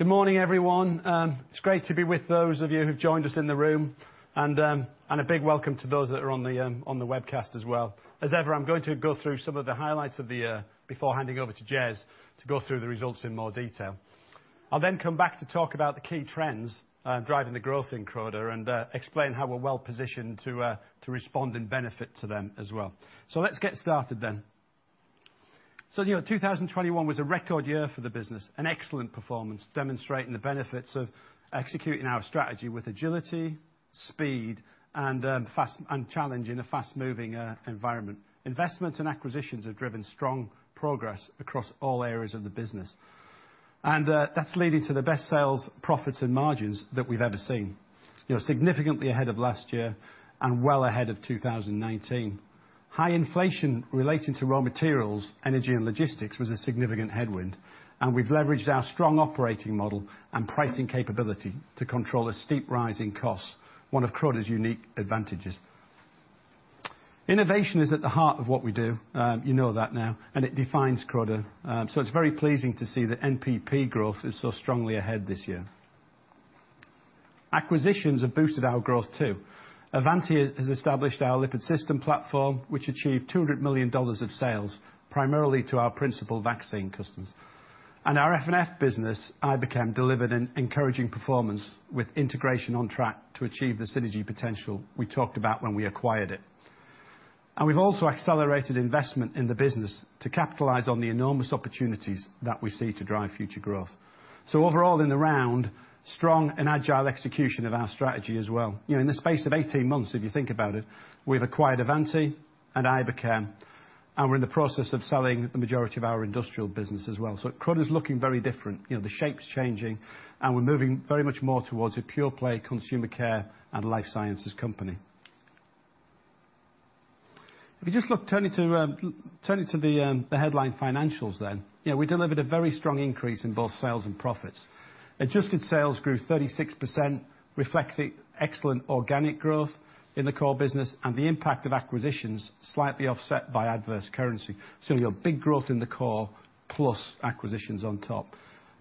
Good morning, everyone. It's great to be with those of you who've joined us in the room and a big welcome to those that are on the webcast as well. As ever, I'm going to go through some of the highlights of the year before handing over to Jez to go through the results in more detail. I'll then come back to talk about the key trends driving the growth in Croda and explain how we're well positioned to respond to and benefit from them as well. Let's get started then. You know, 2021 was a record year for the business. An excellent performance demonstrating the benefits of executing our strategy with agility, speed, and fast and challenging in a fast-moving environment. Investments and acquisitions have driven strong progress across all areas of the business, and that's leading to the best sales, profits, and margins that we've ever seen. You know, significantly ahead of last year and well ahead of 2019. High inflation relating to raw materials, energy and logistics was a significant headwind, and we've leveraged our strong operating model and pricing capability to control the steep rise in costs, one of Croda's unique advantages. Innovation is at the heart of what we do, you know that now, and it defines Croda. So it's very pleasing to see that NPP growth is so strongly ahead this year. Acquisitions have boosted our growth too. Avanti has established our lipid system platform, which achieved $200 million of sales, primarily to our principal vaccine customers. Our F&F business, Iberchem, delivered an encouraging performance with integration on track to achieve the synergy potential we talked about when we acquired it. We've also accelerated investment in the business to capitalize on the enormous opportunities that we see to drive future growth. Overall, in the round, strong and agile execution of our strategy as well. You know, in the space of 18 months, if you think about it, we've acquired Avanti and Iberchem, and we're in the process of selling the majority of our industrial business as well. Croda is looking very different. You know, the shape's changing, and we're moving very much more towards a pure-play Consumer Care and Life Sciences company. If you just look, turning to the headline financials then. Yeah, we delivered a very strong increase in both sales and profits. Adjusted sales grew 36%, reflecting excellent organic growth in the core business and the impact of acquisitions slightly offset by adverse currency. Your big growth in the core plus acquisitions on top.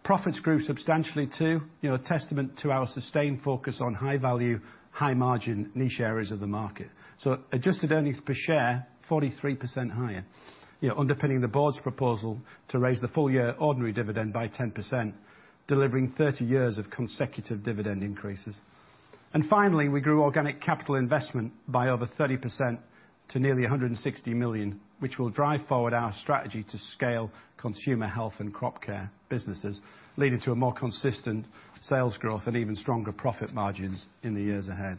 Profits grew substantially too. You know, a testament to our sustained focus on high value, high margin niche areas of the market. Adjusted earnings per share 43% higher. You know, underpinning the board's proposal to raise the full year ordinary dividend by 10%, delivering 30 years of consecutive dividend increases. Finally, we grew organic capital investment by over 30% to nearly 160 million, which will drive forward our strategy to scale consumer health and crop care businesses, leading to a more consistent sales growth and even stronger profit margins in the years ahead.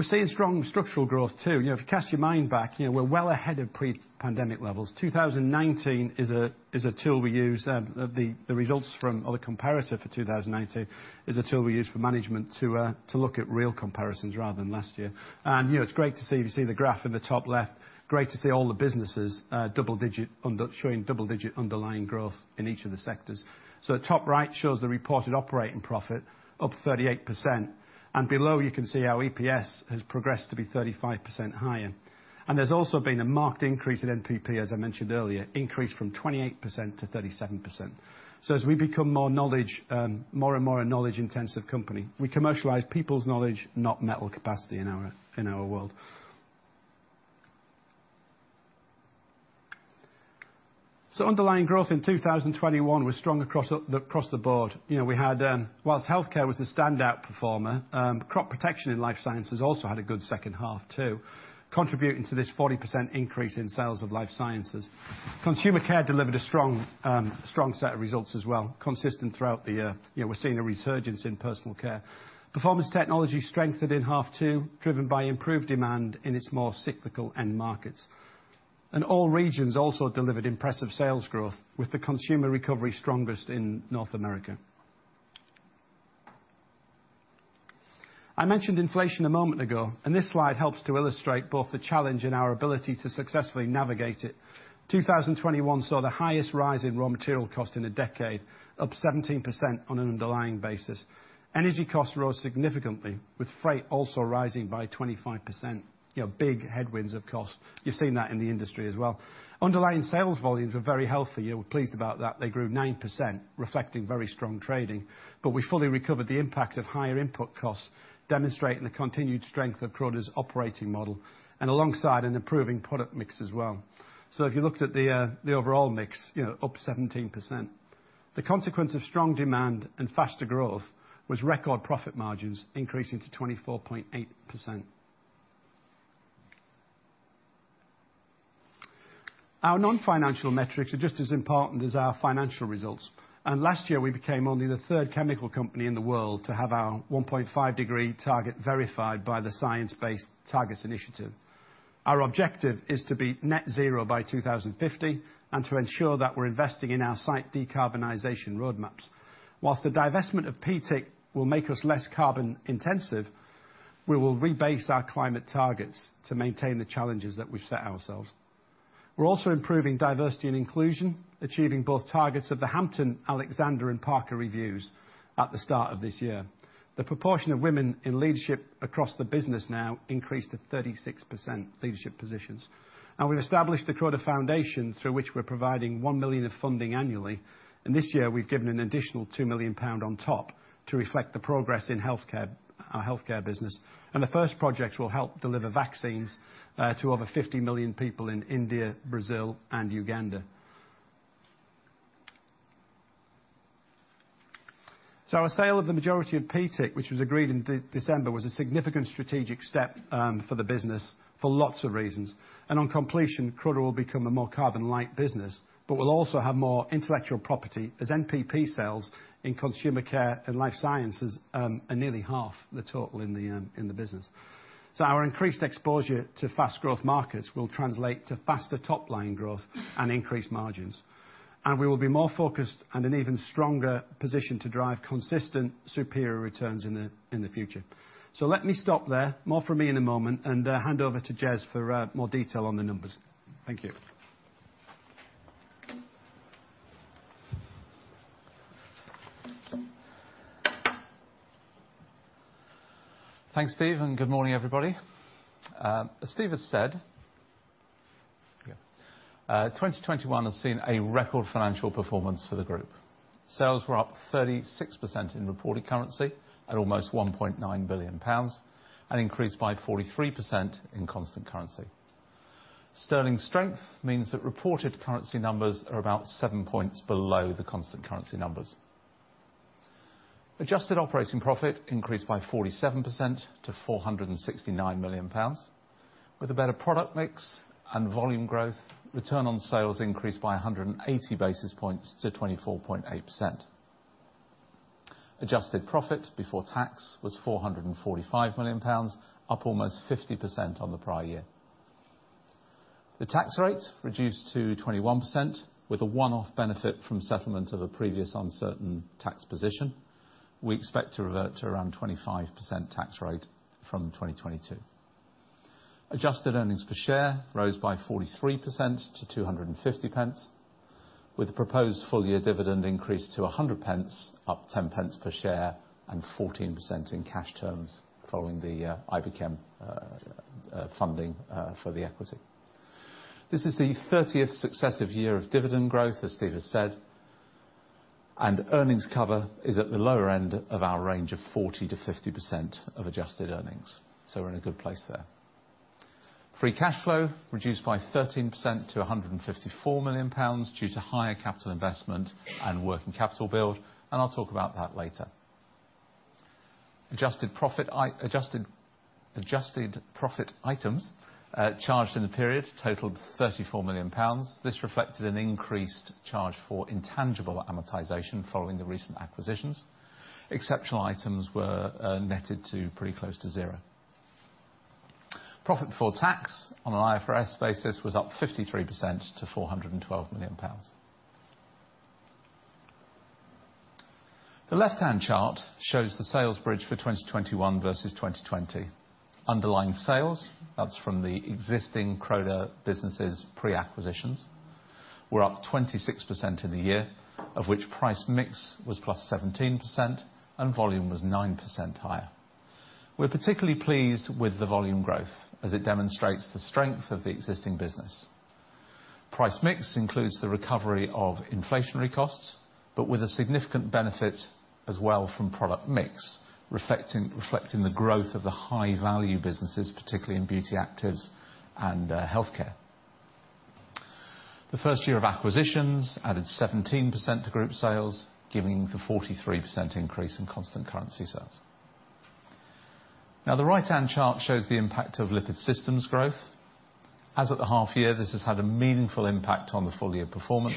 We're seeing strong structural growth too. You know, if you cast your mind back, you know, we're well ahead of pre-pandemic levels. 2019 is a tool we use, the results from or the comparator for 2019 is a tool we use for management to look at real comparisons rather than last year. You know, it's great to see. If you see the graph in the top left, great to see all the businesses showing double-digit underlying growth in each of the sectors. The top right shows the reported operating profit up 38%, and below you can see our EPS has progressed to be 35% higher. There's also been a marked increase in NPP, as I mentioned earlier, increase from 28% to 37%. As we become more knowledgeable, more and more a knowledge-intensive company, we commercialize people's knowledge, not mere capacity in our world. Underlying growth in 2021 was strong across the board. We had, while healthcare was the standout performer, Crop Protection and Life Sciences also had a good second half too, contributing to this 40% increase in sales of Life Sciences. Consumer Care delivered a strong set of results as well, consistent throughout the year. We're seeing a resurgence in personal care. Performance Technologies strengthened in the second half, driven by improved demand in its more cyclical end markets. All regions also delivered impressive sales growth, with the consumer recovery strongest in North America. I mentioned inflation a moment ago, and this slide helps to illustrate both the challenge and our ability to successfully navigate it. 2021 saw the highest rise in raw material cost in a decade, up 17% on an underlying basis. Energy costs rose significantly, with freight also rising by 25%. You know, big headwinds of cost. You've seen that in the industry as well. Underlying sales volumes were very healthy. You know, we're pleased about that. They grew 9%, reflecting very strong trading. We fully recovered the impact of higher input costs, demonstrating the continued strength of Croda's operating model and alongside an improving product mix as well. If you looked at the overall mix, you know, up 17%. The consequence of strong demand and faster growth was record profit margins increasing to 24.8%. Our non-financial metrics are just as important as our financial results, and last year we became only the third chemical company in the world to have our 1.5-degree target verified by the Science Based Targets initiative. Our objective is to be net zero by 2050 and to ensure that we're investing in our site decarbonization roadmaps. While the divestment of PTIC will make us less carbon intensive, we will rebase our climate targets to maintain the challenges that we've set ourselves. We're also improving diversity and inclusion, achieving both targets of the Hampton-Alexander and Parker reviews at the start of this year. The proportion of women in leadership across the business now increased to 36% leadership positions. We've established the Croda Foundation through which we're providing 1 million of funding annually, and this year we've given an additional 2 million pound on top to reflect the progress in healthcare, our healthcare business. The first project will help deliver vaccines to over 50 million people in India, Brazil, and Uganda. Our sale of the majority of PTIC, which was agreed in December, was a significant strategic step for the business for lots of reasons. On completion, Croda will become a more carbon-light business, but we'll also have more intellectual property as NPP sales in Consumer Care and Life Sciences are nearly half the total in the business. Our increased exposure to fast growth markets will translate to faster top-line growth and increased margins. We will be more focused and in an even stronger position to drive consistent superior returns in the future. Let me stop there. More from me in a moment, hand over to Jez for more detail on the numbers. Thank you. Thanks, Steve, and good morning, everybody. As Steve has said, yeah, 2021 has seen a record financial performance for the group. Sales were up 36% in reported currency at almost 1.9 billion pounds and increased by 43% in constant currency. Sterling strength means that reported currency numbers are about seven points below the constant currency numbers. Adjusted operating profit increased by 47% to 469 million pounds. With a better product mix and volume growth, return on sales increased by 180 basis points to 24.8%. Adjusted profit before tax was 445 million pounds, up almost 50% on the prior year. The tax rate reduced to 21% with a one-off benefit from settlement of a previous uncertain tax position. We expect to revert to around 25% tax rate from 2022. Adjusted earnings per share rose by 43% to 250 pence, with a proposed full-year dividend increase to 100 pence, up 10 pence per share and 14% in cash terms following the Iberchem funding for the equity. This is the 30th successive year of dividend growth, as Steve has said, and earnings cover is at the lower end of our range of 40%-50% of adjusted earnings. We're in a good place there. Free cash flow reduced by 13% to 154 million pounds due to higher capital investment and working capital build, and I'll talk about that later. Adjusted profit items charged in the period totaled 34 million pounds. This reflected an increased charge for intangible amortization following the recent acquisitions. Exceptional items were netted to pretty close to zero. Profit before tax on an IFRS basis was up 53% to 412 million pounds. The left-hand chart shows the sales bridge for 2021 versus 2020. Underlying sales, that's from the existing Croda businesses pre-acquisitions, were up 26% in the year, of which price mix was plus 17% and volume was 9% higher. We're particularly pleased with the volume growth, as it demonstrates the strength of the existing business. Price mix includes the recovery of inflationary costs, but with a significant benefit as well from product mix, reflecting the growth of the high-value businesses, particularly in Beauty Actives and healthcare. The first year of acquisitions added 17% to group sales, giving the 43% increase in constant currency sales. Now, the right-hand chart shows the impact of Lipid Systems growth. As at the half year, this has had a meaningful impact on the full-year performance,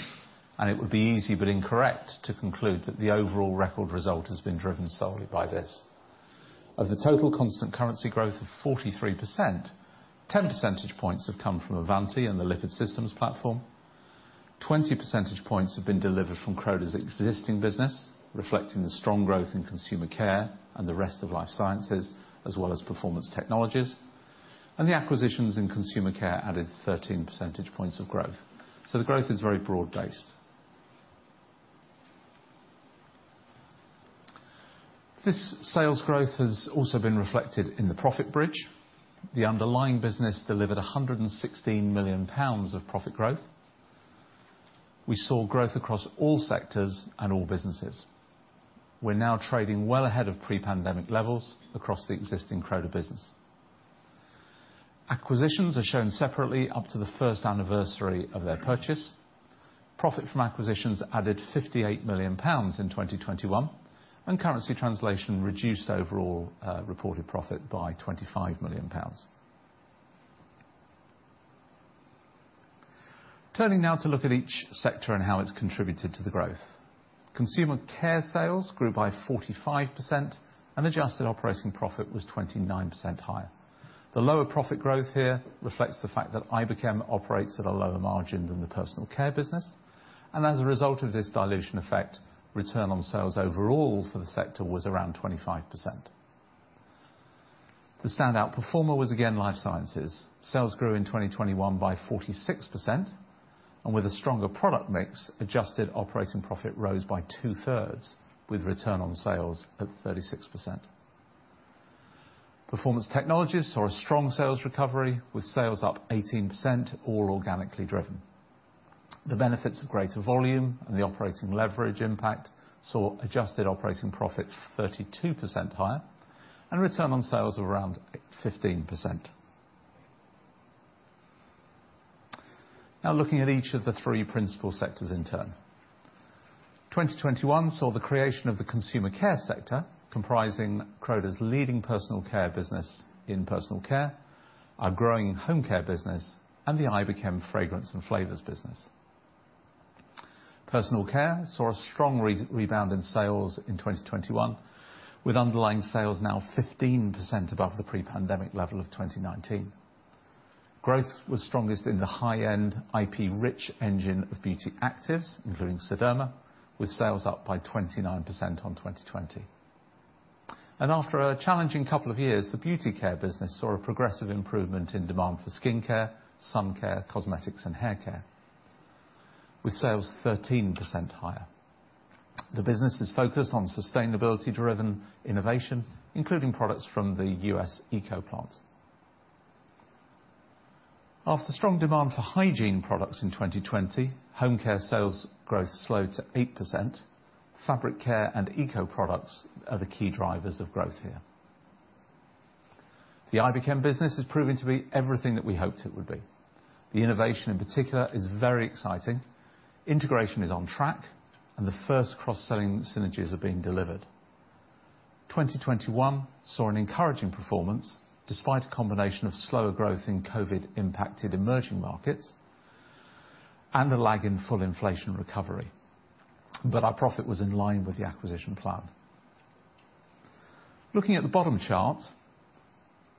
and it would be easy but incorrect to conclude that the overall record result has been driven solely by this. Of the total constant currency growth of 43%, 10 percentage points have come from Avanti and the Lipid Systems platform. 20 percentage points have been delivered from Croda's existing business, reflecting the strong growth in Consumer Care and the rest of Life Sciences, as well as Performance Technologies. The acquisitions in Consumer Care added 13 percentage points of growth. The growth is very broad-based. This sales growth has also been reflected in the profit bridge. The underlying business delivered 116 million pounds of profit growth. We saw growth across all sectors and all businesses. We're now trading well ahead of pre-pandemic levels across the existing Croda business. Acquisitions are shown separately up to the first anniversary of their purchase. Profit from acquisitions added 58 million pounds in 2021, and currency translation reduced overall reported profit by 25 million pounds. Turning now to look at each sector and how it's contributed to the growth. Consumer Care sales grew by 45% and adjusted operating profit was 29% higher. The lower profit growth here reflects the fact that Iberchem operates at a lower margin than the personal care business, and as a result of this dilution effect, return on sales overall for the sector was around 25%. The standout performer was, again, Life Sciences. Sales grew in 2021 by 46%, and with a stronger product mix, adjusted operating profit rose by two-thirds, with return on sales at 36%. Performance Technologies saw a strong sales recovery, with sales up 18%, all organically driven. The benefits of greater volume and the operating leverage impact saw adjusted operating profit 32% higher and return on sales of around 15%. Now looking at each of the three principal sectors in turn. 2021 saw the creation of the Consumer Care sector, comprising Croda's leading personal care business in personal care, our growing Home Care business, and the Iberchem fragrances and flavors business. Personal care saw a strong rebound in sales in 2021, with underlying sales now 15% above the pre-pandemic level of 2019. Growth was strongest in the high-end IP-rich engine of Beauty Actives, including Sederma, with sales up by 29% on 2020. After a challenging couple of years, the Beauty Care business saw a progressive improvement in demand for skincare, sun care, cosmetics, and haircare, with sales 13% higher. The business is focused on sustainability-driven innovation, including products from the US ECO plant. After strong demand for hygiene products in 2020, Home Care sales growth slowed to 8%. Fabric care and eco products are the key drivers of growth here. The Iberchem business has proven to be everything that we hoped it would be. The innovation, in particular, is very exciting. Integration is on track, and the first cross-selling synergies are being delivered. 2021 saw an encouraging performance, despite a combination of slower growth in COVID-impacted emerging markets and a lag in full inflation recovery. Our profit was in line with the acquisition plan. Looking at the bottom chart,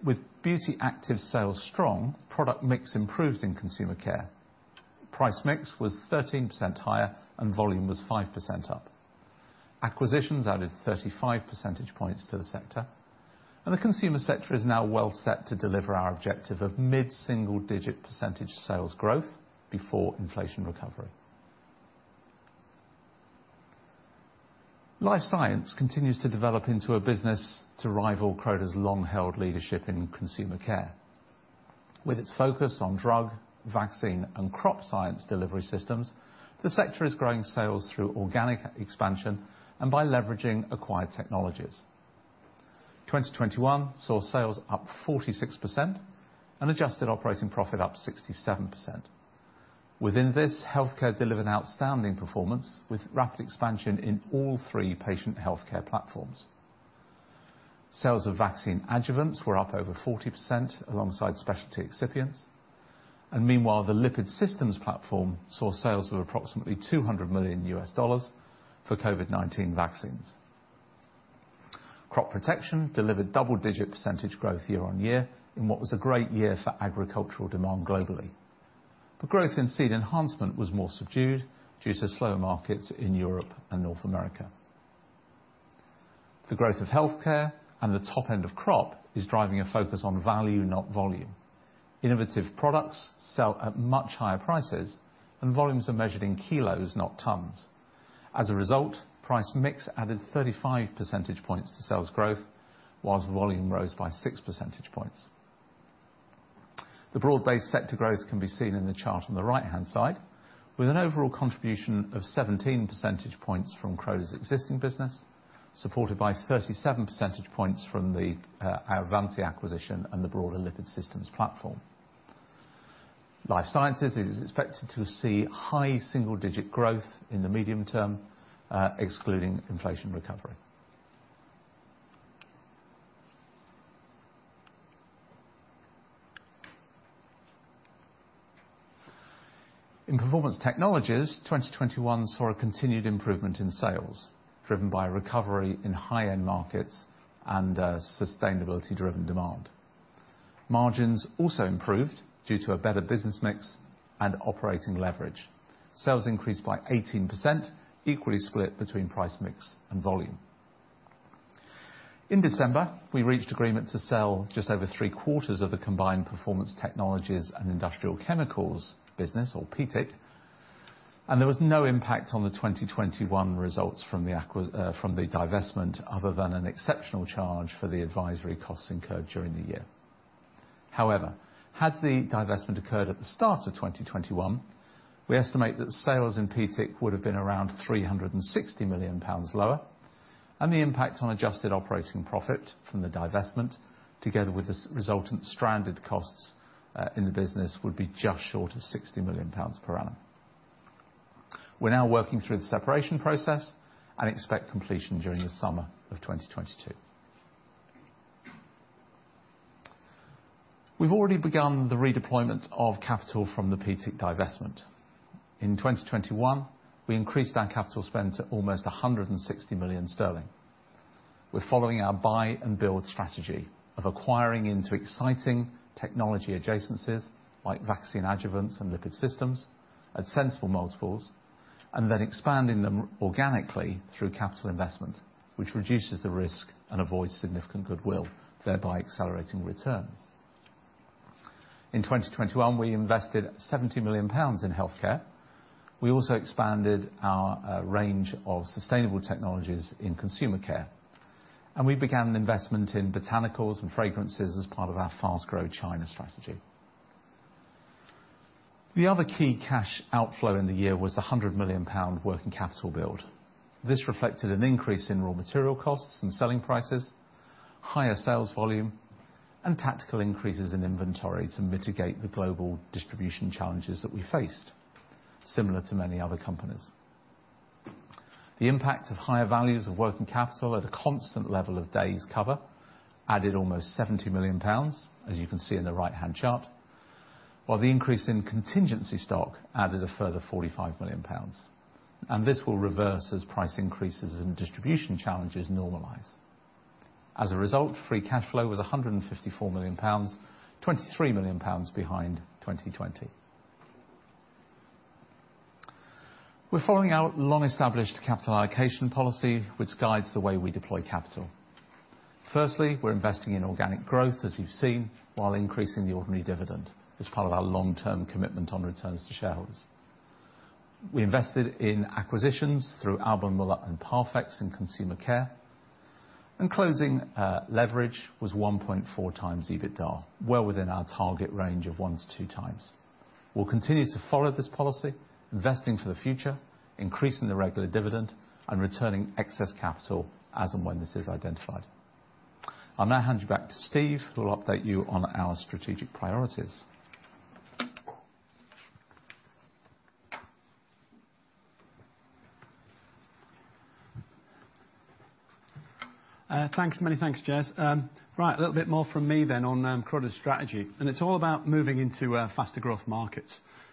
with Beauty Actives sales strong, product mix improved in Consumer Care. Price mix was 13% higher and volume was 5% up. Acquisitions added 35 percentage points to the sector, and the Consumer Care sector is now well set to deliver our objective of mid-single-digit percentage sales growth before inflation recovery. Life Sciences continues to develop into a business to rival Croda's long-held leadership in Consumer Care. With its focus on drug, vaccine, and crop science delivery systems, the sector is growing sales through organic expansion and by leveraging acquired technologies. 2021 saw sales up 46% and adjusted operating profit up 67%. Within this, healthcare delivered an outstanding performance, with rapid expansion in all three patient healthcare platforms. Sales of vaccine adjuvants were up over 40% alongside specialty excipients. Meanwhile, the Lipid Systems platform saw sales of approximately $200 million for COVID-19 vaccines. Crop Protection delivered double-digit % growth year-on-year in what was a great year for agricultural demand globally. Growth in Seed Enhancement was more subdued due to slower markets in Europe and North America. The growth of healthcare and the top end of crop is driving a focus on value, not volume. Innovative products sell at much higher prices, and volumes are measured in kilos, not tons. As a result, price mix added 35 percentage points to sales growth, while volume rose by 6 percentage points. The broad-based sector growth can be seen in the chart on the right-hand side, with an overall contribution of 17 percentage points from Croda's existing business, supported by 37 percentage points from the Avanti acquisition and the broader Lipid Systems platform. Life Sciences is expected to see high single-digit growth in the medium term, excluding inflation recovery. In Performance Technologies, 2021 saw a continued improvement in sales, driven by recovery in high-end markets and, sustainability-driven demand. Margins also improved due to a better business mix and operating leverage. Sales increased by 18%, equally split between price mix and volume. In December, we reached agreement to sell just over three-quarters of the combined Performance Technologies and Industrial Chemicals business, or PTIC, and there was no impact on the 2021 results from the divestment, other than an exceptional charge for the advisory costs incurred during the year. However, had the divestment occurred at the start of 2021, we estimate that sales in PTIC would have been around 360 million pounds lower, and the impact on adjusted operating profit from the divestment, together with the resultant stranded costs in the business, would be just short of 60 million pounds per annum. We're now working through the separation process and expect completion during the summer of 2022. We've already begun the redeployment of capital from the PTIC divestment. In 2021, we increased our capital spend to almost 160 million sterling. We're following our buy and build strategy of acquiring into exciting technology adjacencies, like vaccine adjuvants and Lipid Systems, at sensible multiples. Then expanding them organically through capital investment, which reduces the risk and avoids significant goodwill, thereby accelerating returns. In 2021, we invested 70 million pounds in healthcare. We also expanded our range of sustainable technologies in Consumer Care. We began an investment in botanicals and fragrances as part of our fast-growth China strategy. The other key cash outflow in the year was 100 million pound working capital build. This reflected an increase in raw material costs and selling prices, higher sales volume, and tactical increases in inventory to mitigate the global distribution challenges that we faced, similar to many other companies. The impact of higher values of working capital at a constant level of days cover added almost 70 million pounds, as you can see in the right-hand chart, while the increase in contingency stock added a further 45 million pounds, and this will reverse as price increases and distribution challenges normalize. As a result, free cash flow was 154 million pounds, 23 million pounds behind 2020. We're following our long-established capital allocation policy, which guides the way we deploy capital. Firstly, we're investing in organic growth, as you've seen, while increasing the ordinary dividend as part of our long-term commitment on returns to shareholders. We invested in acquisitions through Alban Muller and Parfex in Consumer Care, and closing leverage was 1.4 times EBITDA, well within our target range of 1-2 times. We'll continue to follow this policy, investing for the future, increasing the regular dividend, and returning excess capital as and when this is identified. I'll now hand you back to Steve, who will update you on our strategic priorities. Thanks. Many thanks, Jez. Right, a little bit more from me then on Croda's strategy, and it's all about moving into faster growth markets.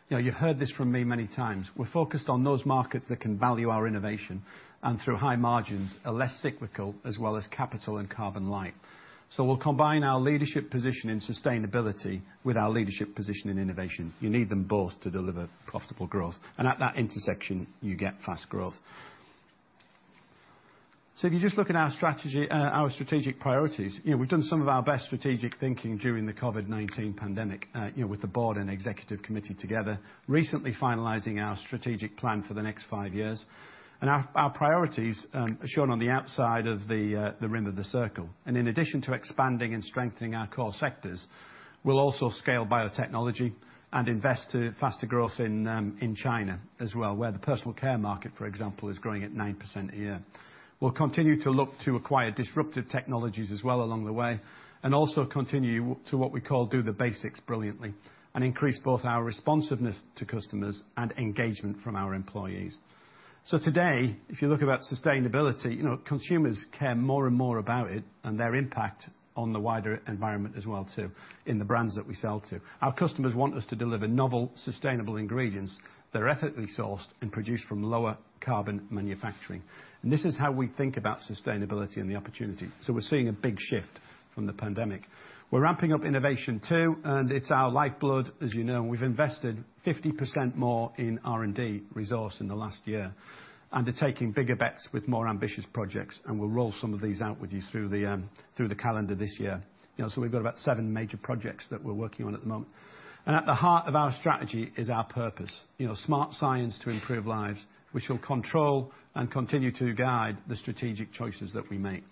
You know, you've heard this from me many times. We're focused on those markets that can value our innovation, and through high margins are less cyclical, as well as capital and carbon light. We'll combine our leadership position in sustainability with our leadership position in innovation. You need them both to deliver profitable growth. At that intersection, you get fast growth. If you just look at our strategy, our strategic priorities, you know, we've done some of our best strategic thinking during the COVID-19 pandemic, you know, with the board and executive committee together, recently finalizing our strategic plan for the next five years. Our priorities are shown on the outside of the rim of the circle. In addition to expanding and strengthening our core sectors, we'll also scale biotechnology and invest in faster growth in China as well, where the personal care market, for example, is growing at 9% a year. We'll continue to look to acquire disruptive technologies as well along the way, and also continue to what we call do the basics brilliantly, and increase both our responsiveness to customers and engagement from our employees. Today, if you look at sustainability, you know, consumers care more and more about it and their impact on the wider environment as well too, in the brands that we sell to. Our customers want us to deliver novel, sustainable ingredients that are ethically sourced and produced from lower carbon manufacturing. This is how we think about sustainability and the opportunity. We're seeing a big shift from the pandemic. We're ramping up innovation too, and it's our lifeblood, as you know, and we've invested 50% more in R&D resource in the last year and are taking bigger bets with more ambitious projects. We'll roll some of these out with you through the calendar this year. You know, we've got about seven major projects that we're working on at the moment. At the heart of our strategy is our purpose. You know, smart science to improve lives, which will control and continue to guide the strategic choices that we make.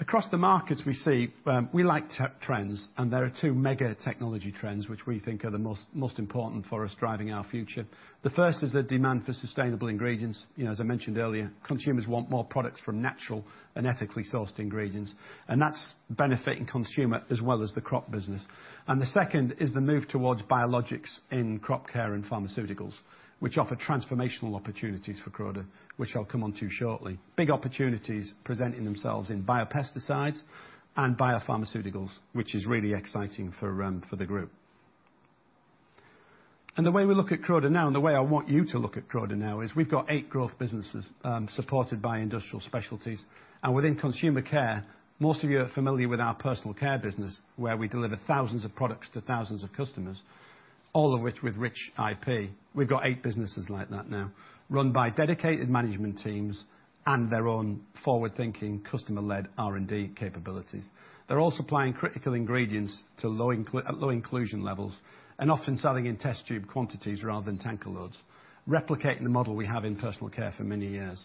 Across the markets we see, we like tech trends, and there are two mega technology trends which we think are the most important for us driving our future. The first is the demand for sustainable ingredients. You know, as I mentioned earlier, consumers want more products from natural and ethically sourced ingredients. That's benefiting consumer as well as the crop business. The second is the move towards biologics in crop care and pharmaceuticals, which offer transformational opportunities for Croda, which I'll come onto shortly. Big opportunities presenting themselves in biopesticides and biopharmaceuticals, which is really exciting for the group. The way we look at Croda now and the way I want you to look at Croda now is we've got eight growth businesses supported by industrial specialties. Within Consumer Care, most of you are familiar with our personal care business, where we deliver thousands of products to thousands of customers, all of which with rich IP. We've got eight businesses like that now, run by dedicated management teams and their own forward-thinking, customer-led R&D capabilities. They're all supplying critical ingredients at low inclusion levels and often selling in test tube quantities rather than tanker loads, replicating the model we have in personal care for many years.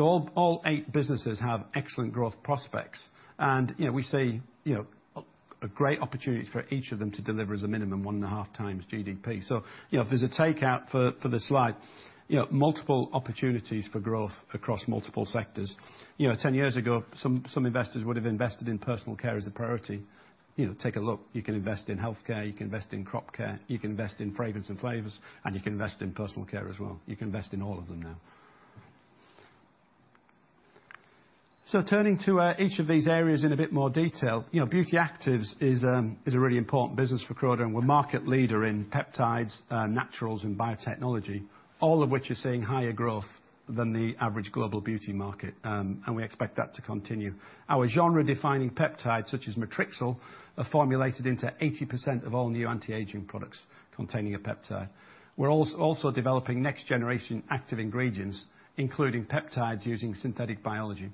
All eight businesses have excellent growth prospects. You know, we see a great opportunity for each of them to deliver as a minimum 1.5 times GDP. You know, if there's a takeout for this slide, you know, multiple opportunities for growth across multiple sectors. You know, 10 years ago, some investors would have invested in personal care as a priority. You know, take a look. You can invest in healthcare, you can invest in crop care, you can invest in fragrance and flavors, and you can invest in personal care as well. You can invest in all of them now. Turning to each of these areas in a bit more detail. You know, Beauty Actives is a really important business for Croda, and we're market leader in peptides, naturals and biotechnology, all of which are seeing higher growth than the average global beauty market. We expect that to continue. Our genre-defining peptides, such as Matrixyl, are formulated into 80% of all new anti-aging products containing a peptide. We're also developing next generation active ingredients, including peptides using synthetic biology.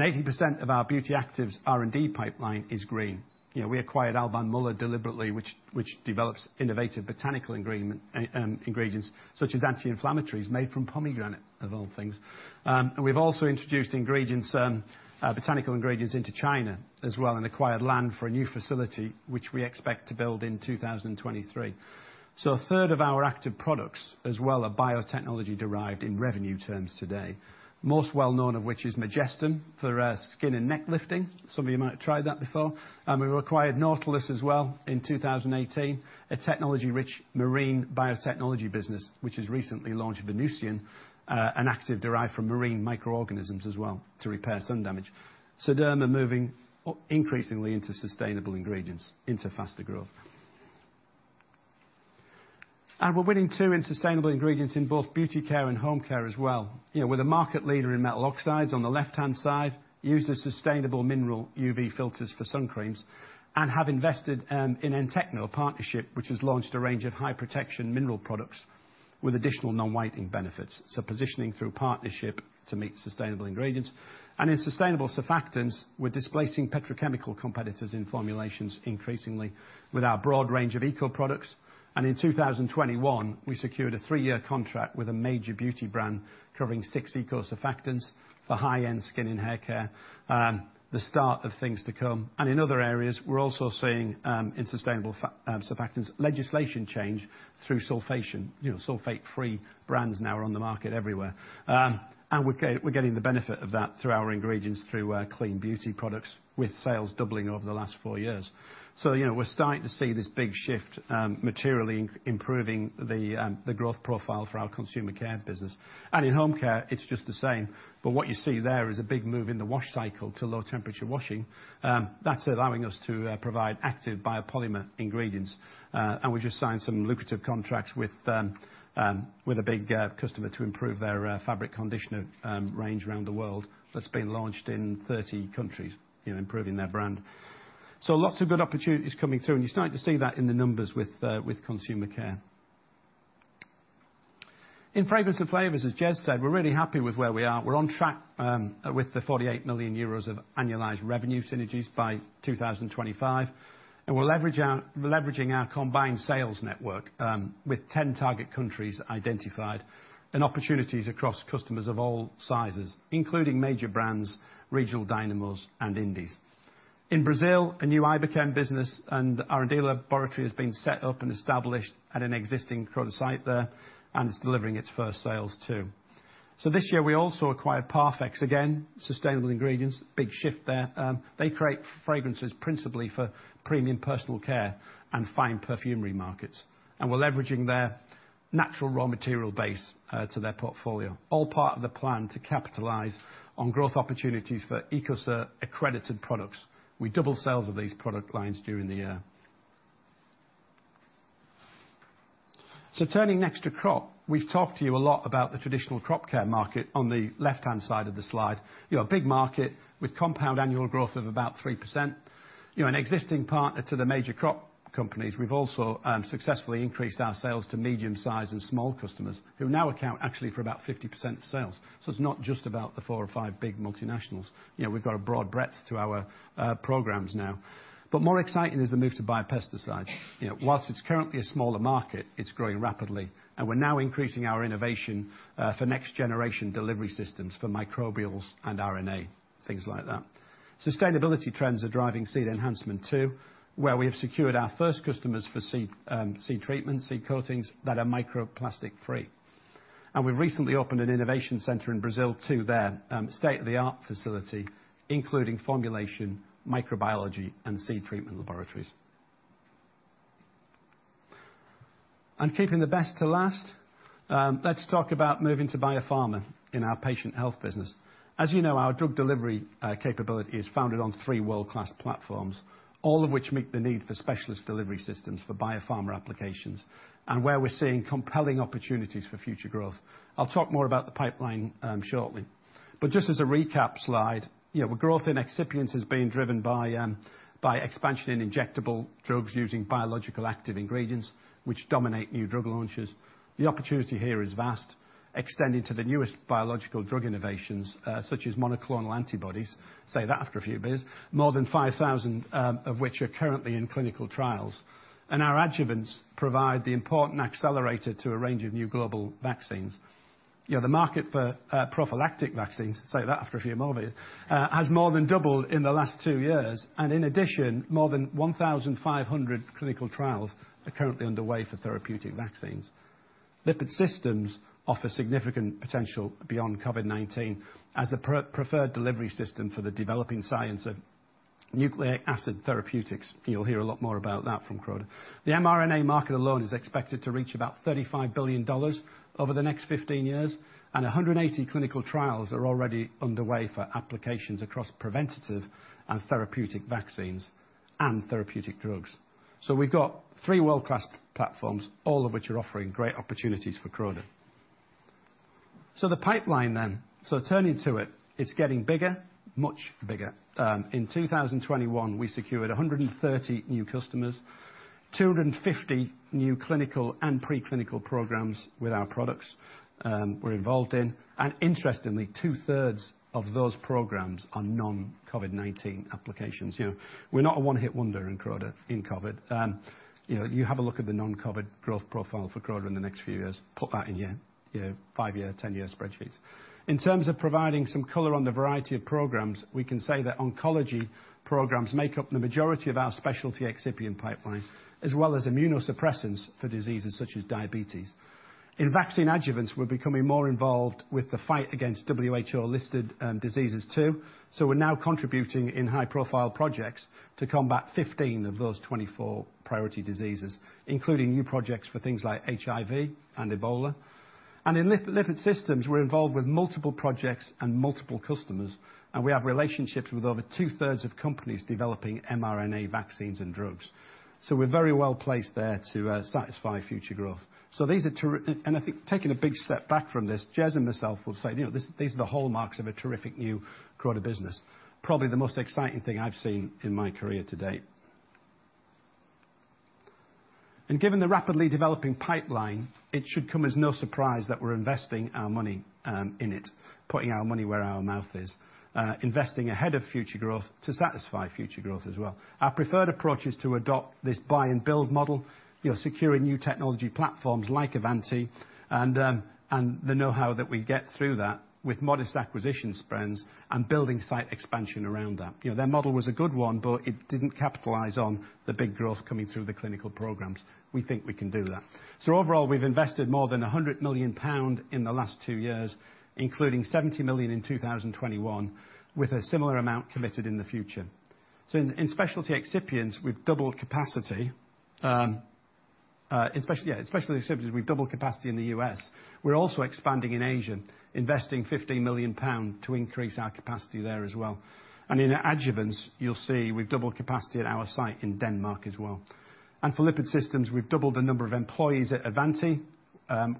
Eighty percent of our Beauty Actives R&D pipeline is green. You know, we acquired Alban Müller deliberately, which develops innovative botanical ingredients such as anti-inflammatories made from pomegranate of all things. We've also introduced ingredients, botanical ingredients into China as well, and acquired land for a new facility, which we expect to build in 2023. A third of our active products, as well as biotechnology derived in revenue terms today. Most well known of which is Majestem for skin and neck lifting. Some of you might have tried that before. We've acquired Nautilus as well in 2018, a technology-rich marine biotechnology business, which has recently launched Venuceane, an active derived from marine microorganisms as well to repair sun damage. Sederma moving increasingly into sustainable ingredients, into faster growth. We're winning too in sustainable ingredients in both Beauty Care and Home Care as well. You know, we're the market leader in metal oxides on the left-hand side, used as sustainable mineral UV filters for sun creams, and have invested in Entekno, a partnership which has launched a range of high protection mineral products with additional non-whitening benefits. Positioning through partnership to meet sustainable ingredients. In sustainable surfactants, we're displacing petrochemical competitors in formulations increasingly with our broad range of eco products. In 2021, we secured a three-year contract with a major beauty brand covering six eco surfactants for high-end skin and hair care, the start of things to come. In other areas, we're also seeing in sustainable surfactants, legislation change through sulfation. You know, sulfate-free brands now are on the market everywhere. We're getting the benefit of that through our ingredients, through clean beauty products, with sales doubling over the last four years. You know, we're starting to see this big shift materially improving the growth profile for our Consumer Care business. In Home Care, it's just the same. What you see there is a big move in the wash cycle to low temperature washing that's allowing us to provide active biopolymer ingredients. We just signed some lucrative contracts with a big customer to improve their fabric conditioner range around the world that's been launched in 30 countries, you know, improving their brand. Lots of good opportunities coming through, and you're starting to see that in the numbers with Consumer Care. In fragrance and flavors, as Jez said, we're really happy with where we are. We're on track with the 48 million euros of annualized revenue synergies by 2025, and we'll leverage our combined sales network with 10 target countries identified and opportunities across customers of all sizes, including major brands, regional dynamos and indies. In Brazil, a new Iberchem business and our delivery laboratory has been set up and established at an existing Croda site there, and it's delivering its first sales too. This year, we also acquired Parfex. Again, sustainable ingredients, big shift there. They create fragrances principally for premium personal care and fine perfumery markets, and we're leveraging their natural raw material base to their portfolio. All part of the plan to capitalize on growth opportunities for Ecocert accredited products. We doubled sales of these product lines during the year. Turning next to crop, we've talked to you a lot about the traditional crop care market on the left-hand side of the slide. You know, a big market with compound annual growth of about 3%. You know, an existing partner to the major crop companies, we've also successfully increased our sales to medium-sized and small customers who now account actually for about 50% of sales. It's not just about the four or five big multinationals. You know, we've got a broad breadth to our programs now. More exciting is the move to biopesticides. You know, while it's currently a smaller market, it's growing rapidly. We're now increasing our innovation for next generation delivery systems for microbials and RNA, things like that. Sustainability trends are driving Seed Enhancement too, where we have secured our first customers for seed treatment, seed coatings that are microplastic free. We recently opened an innovation center in Brazil too there, state-of-the-art facility, including formulation, microbiology and seed treatment laboratories. Keeping the best to last, let's talk about moving to biopharma in our patient health business. As you know, our drug delivery capability is founded on three world-class platforms, all of which meet the need for specialist delivery systems for biopharma applications and where we're seeing compelling opportunities for future growth. I'll talk more about the pipeline shortly. Just as a recap slide, you know, where growth in excipients is being driven by expansion in injectable drugs using biological active ingredients which dominate new drug launches. The opportunity here is vast, extending to the newest biological drug innovations, such as monoclonal antibodies, more than 5,000 of which are currently in clinical trials. Our adjuvants provide the important accelerator to a range of new global vaccines. You know, the market for prophylactic vaccines has more than doubled in the last two years. In addition, more than 1,500 clinical trials are currently underway for therapeutic vaccines. Lipid Systems offer significant potential beyond COVID-19 as a preferred delivery system for the developing science of nucleic acid therapeutics. You'll hear a lot more about that from Croda. The mRNA market alone is expected to reach about $35 billion over the next 15 years, and 180 clinical trials are already underway for applications across preventative and therapeutic vaccines and therapeutic drugs. We've got three world-class platforms, all of which are offering great opportunities for Croda. The pipeline then. Turning to it's getting bigger, much bigger. In 2021, we secured 130 new customers, 250 new clinical and pre-clinical programs with our products we're involved in, and interestingly, two-thirds of those programs are non-COVID-19 applications. You know, we're not a one-hit wonder in Croda in COVID. You know, you have a look at the non-COVID growth profile for Croda in the next few years, put that in your five-year, 10-year spreadsheets. In terms of providing some color on the variety of programs, we can say that oncology programs make up the majority of our specialty excipient pipeline, as well as immunosuppressants for diseases such as diabetes. In vaccine adjuvants, we're becoming more involved with the fight against WHO-listed diseases too, so we're now contributing in high-profile projects to combat 15 of those 24 priority diseases, including new projects for things like HIV and Ebola. In Lipid Systems, we're involved with multiple projects and multiple customers, and we have relationships with over two-thirds of companies developing mRNA vaccines and drugs. We're very well placed there to satisfy future growth. I think taking a big step back from this, Jez and myself will say, you know, these are the hallmarks of a terrific new Croda business. Probably the most exciting thing I've seen in my career to date. Given the rapidly developing pipeline, it should come as no surprise that we're investing our money in it, putting our money where our mouth is, investing ahead of future growth to satisfy future growth as well. Our preferred approach is to adopt this buy and build model, you know, securing new technology platforms like Avanti and the know-how that we get through that with modest acquisition spends and building site expansion around that. You know, their model was a good one, but it didn't capitalize on the big growth coming through the clinical programs. We think we can do that. Overall, we've invested more than 100 million pound in the last two years, including 70 million in 2021, with a similar amount committed in the future. In specialty excipients, we've doubled capacity in the US. We're also expanding in Asia, investing 50 million pound to increase our capacity there as well. In adjuvants, you'll see we've doubled capacity at our site in Denmark as well. For lipid systems, we've doubled the number of employees at Avanti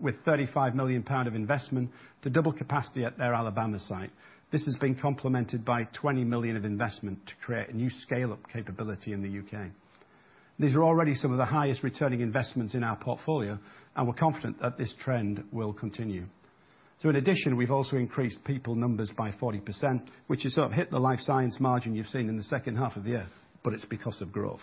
with 35 million pound of investment to double capacity at their Alabama site. This has been complemented by 20 million of investment to create a new scale-up capability in the UK. These are already some of the highest returning investments in our portfolio, and we're confident that this trend will continue. In addition, we've also increased people numbers by 40%, which has sort of hit the Life Sciences margin you've seen in the second half of the year, but it's because of growth,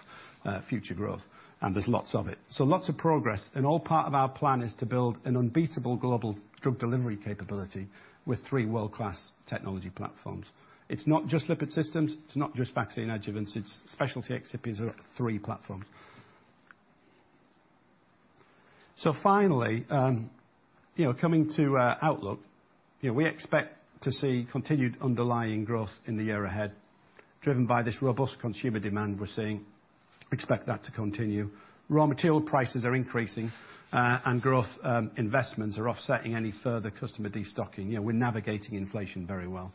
future growth, and there's lots of it. Lots of progress, and all part of our plan is to build an unbeatable global drug delivery capability with three world-class technology platforms. It's not just Lipid Systems, it's not just vaccine adjuvants, it's specialty excipients are three platforms. Finally, you know, coming to outlook, you know, we expect to see continued underlying growth in the year ahead, driven by this robust consumer demand we're seeing. Expect that to continue. Raw material prices are increasing, and growth investments are offsetting any further customer destocking. You know, we're navigating inflation very well.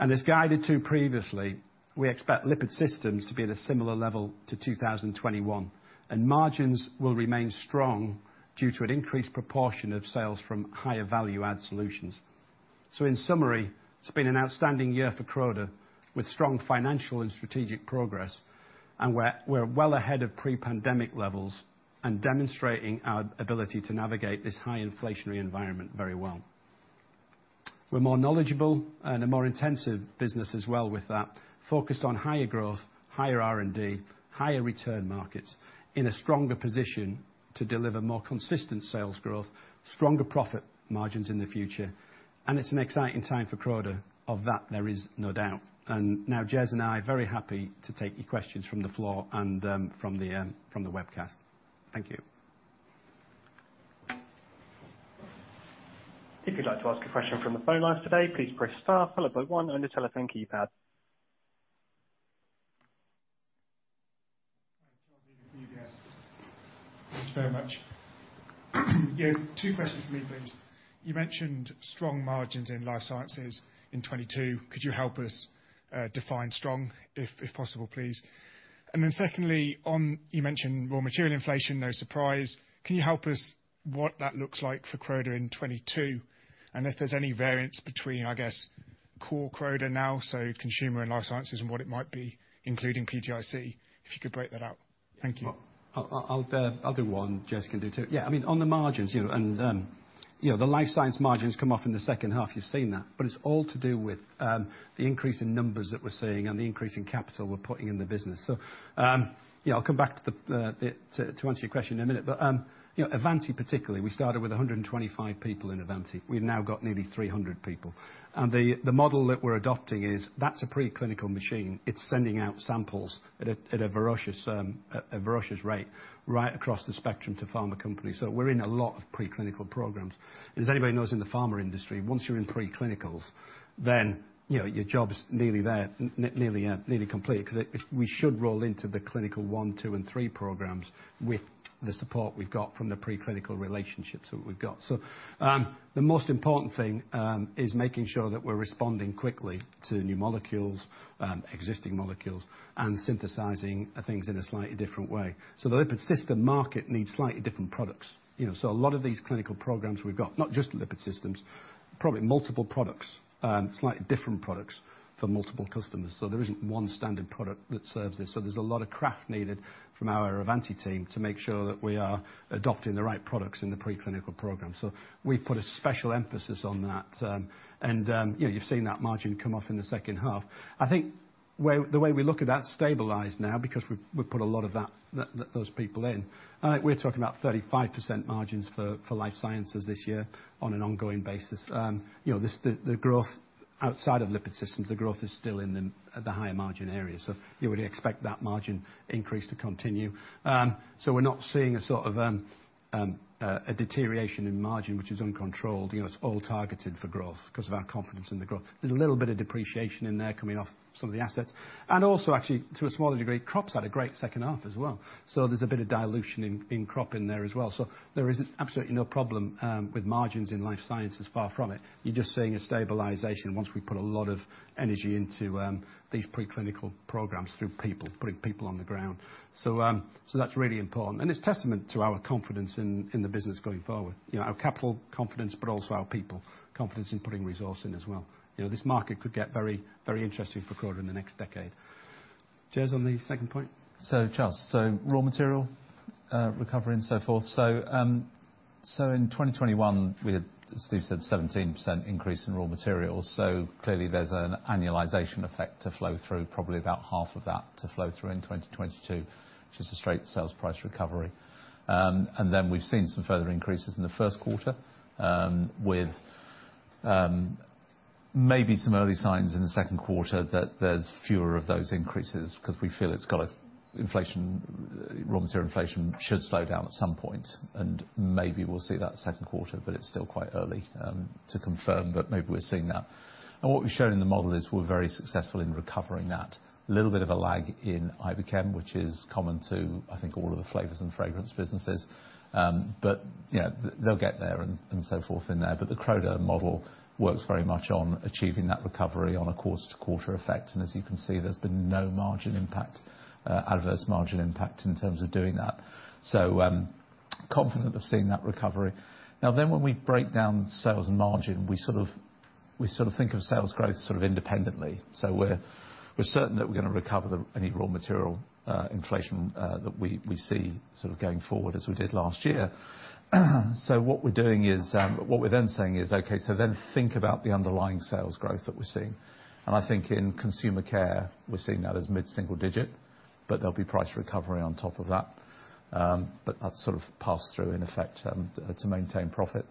As guided previously, we expect Lipid Systems to be at a similar level to 2021, and margins will remain strong due to an increased proportion of sales from higher value add solutions. In summary, it's been an outstanding year for Croda, with strong financial and strategic progress, and we're well ahead of pre-pandemic levels and demonstrating our ability to navigate this high inflationary environment very well. We're more knowledgeable and a more intensive business as well with that, focused on higher growth, higher R&D, higher return markets, in a stronger position to deliver more consistent sales growth, stronger profit margins in the future, and it's an exciting time for Croda. Of that, there is no doubt. Now Jez and I are very happy to take your questions from the floor and from the webcast. Thank you. If you'd like to ask a question from the phone lines today, please press star followed by one on your telephone keypad. Charles Eden from UBS. Thanks very much. Yeah, two questions for me, please. You mentioned strong margins in Life Sciences in 2022. Could you help us define strong if possible, please? And then secondly, on you mentioned raw material inflation, no surprise. Can you help us with what that looks like for Croda in 2022? And if there's any variance between, I guess, core Croda now, so consumer and Life Sciences and what it might be, including PTIC, if you could break that out. Thank you. I'll do one. Jez can do two. Yeah, I mean, on the margins, you know. You know, the Life Sciences margins come off in the second half, you've seen that. It's all to do with the increase in numbers that we're seeing and the increase in capital we're putting in the business. Yeah, I'll come back to answer your question in a minute. But you know, Avanti particularly, we started with 125 people in Avanti. We've now got nearly 300 people. The model that we're adopting is that's a preclinical machine. It's sending out samples at a voracious rate right across the spectrum to pharma companies. We're in a lot of preclinical programs. As anybody knows in the pharma industry, once you're in preclinicals, you know, your job is nearly there, nearly complete because we should roll into phase I, II, and III programs with the support we've got from the preclinical relationships that we've got. The most important thing is making sure that we're responding quickly to new molecules, existing molecules, and synthesizing things in a slightly different way. The Lipid Systems market needs slightly different products. You know, a lot of these clinical programs we've got, not just Lipid Systems, probably multiple products, slightly different products for multiple customers. There isn't one standard product that serves this. There's a lot of craft needed from our Avanti team to make sure that we are adopting the right products in the preclinical program. We put a special emphasis on that. And you know, you've seen that margin come off in the second half. I think the way we look at that's stabilized now because we put a lot of those people in. I think we're talking about 35% margins for Life Sciences this year on an ongoing basis. You know, the growth outside of Lipid Systems, the growth is still in the higher margin area. You would expect that margin increase to continue. We're not seeing a deterioration in margin, which is uncontrolled. You know, it's all targeted for growth 'cause of our confidence in the growth. There's a little bit of depreciation in there coming off some of the assets. Also actually, to a smaller degree, Crop's had a great second half as well. There's a bit of dilution in Crop in there as well. There is absolutely no problem with margins in Life Sciences, far from it. You're just seeing a stabilization once we put a lot of energy into these preclinical programs through people, putting people on the ground. That's really important. It's testament to our confidence in the business going forward. You know, our capital confidence, but also our people confidence in putting resource in as well. You know, this market could get very, very interesting for Croda in the next decade. Jez, on the second point. Charles, raw material recovery and so forth. In 2021, we had, as Steve said, 17% increase in raw materials. Clearly there's an annualization effect to flow through, probably about half of that to flow through in 2022, which is a straight sales price recovery. We've seen some further increases in the first quarter, with maybe some early signs in the second quarter that there's fewer of those increases because we feel it's got an inflation, raw material inflation should slow down at some point. Maybe we'll see that second quarter, but it's still quite early to confirm, but maybe we're seeing that. What we've shown in the model is we're very successful in recovering that. Little bit of a lag in Iberchem, which is common to, I think, all of the flavors and fragrance businesses. You know, they'll get there and so forth in there. The Croda model works very much on achieving that recovery on a quarter to quarter effect. As you can see, there's been no margin impact, adverse margin impact in terms of doing that. Confident of seeing that recovery. Now when we break down sales margin, we sort of think of sales growth sort of independently. We're certain that we're gonna recover any raw material inflation that we see sort of going forward as we did last year. What we're saying is, "Okay, think about the underlying sales growth that we're seeing." I think in Consumer Care, we're seeing that as mid-single-digit, but there'll be price recovery on top of that. But that's sort of passed through in effect to maintain profit.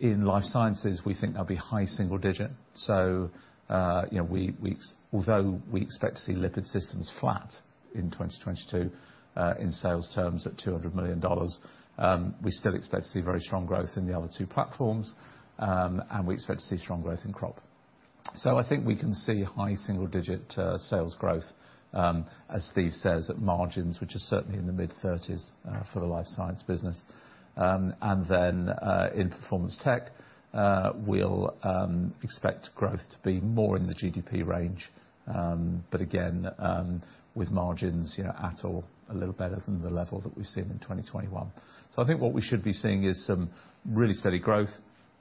In Life Sciences, we think there'll be high single-digit. We expect to see Lipid Systems flat in 2022 in sales terms at $200 million. We still expect to see very strong growth in the other two platforms. We expect to see strong growth in Crop. I think we can see high single-digit sales growth, as Steve says, at margins which are certainly in the mid-30s% for the Life Sciences business. In Performance Technologies, we'll expect growth to be more in the GDP range. Again, with margins, you know, at or a little better than the level that we've seen in 2021. I think what we should be seeing is some really steady growth,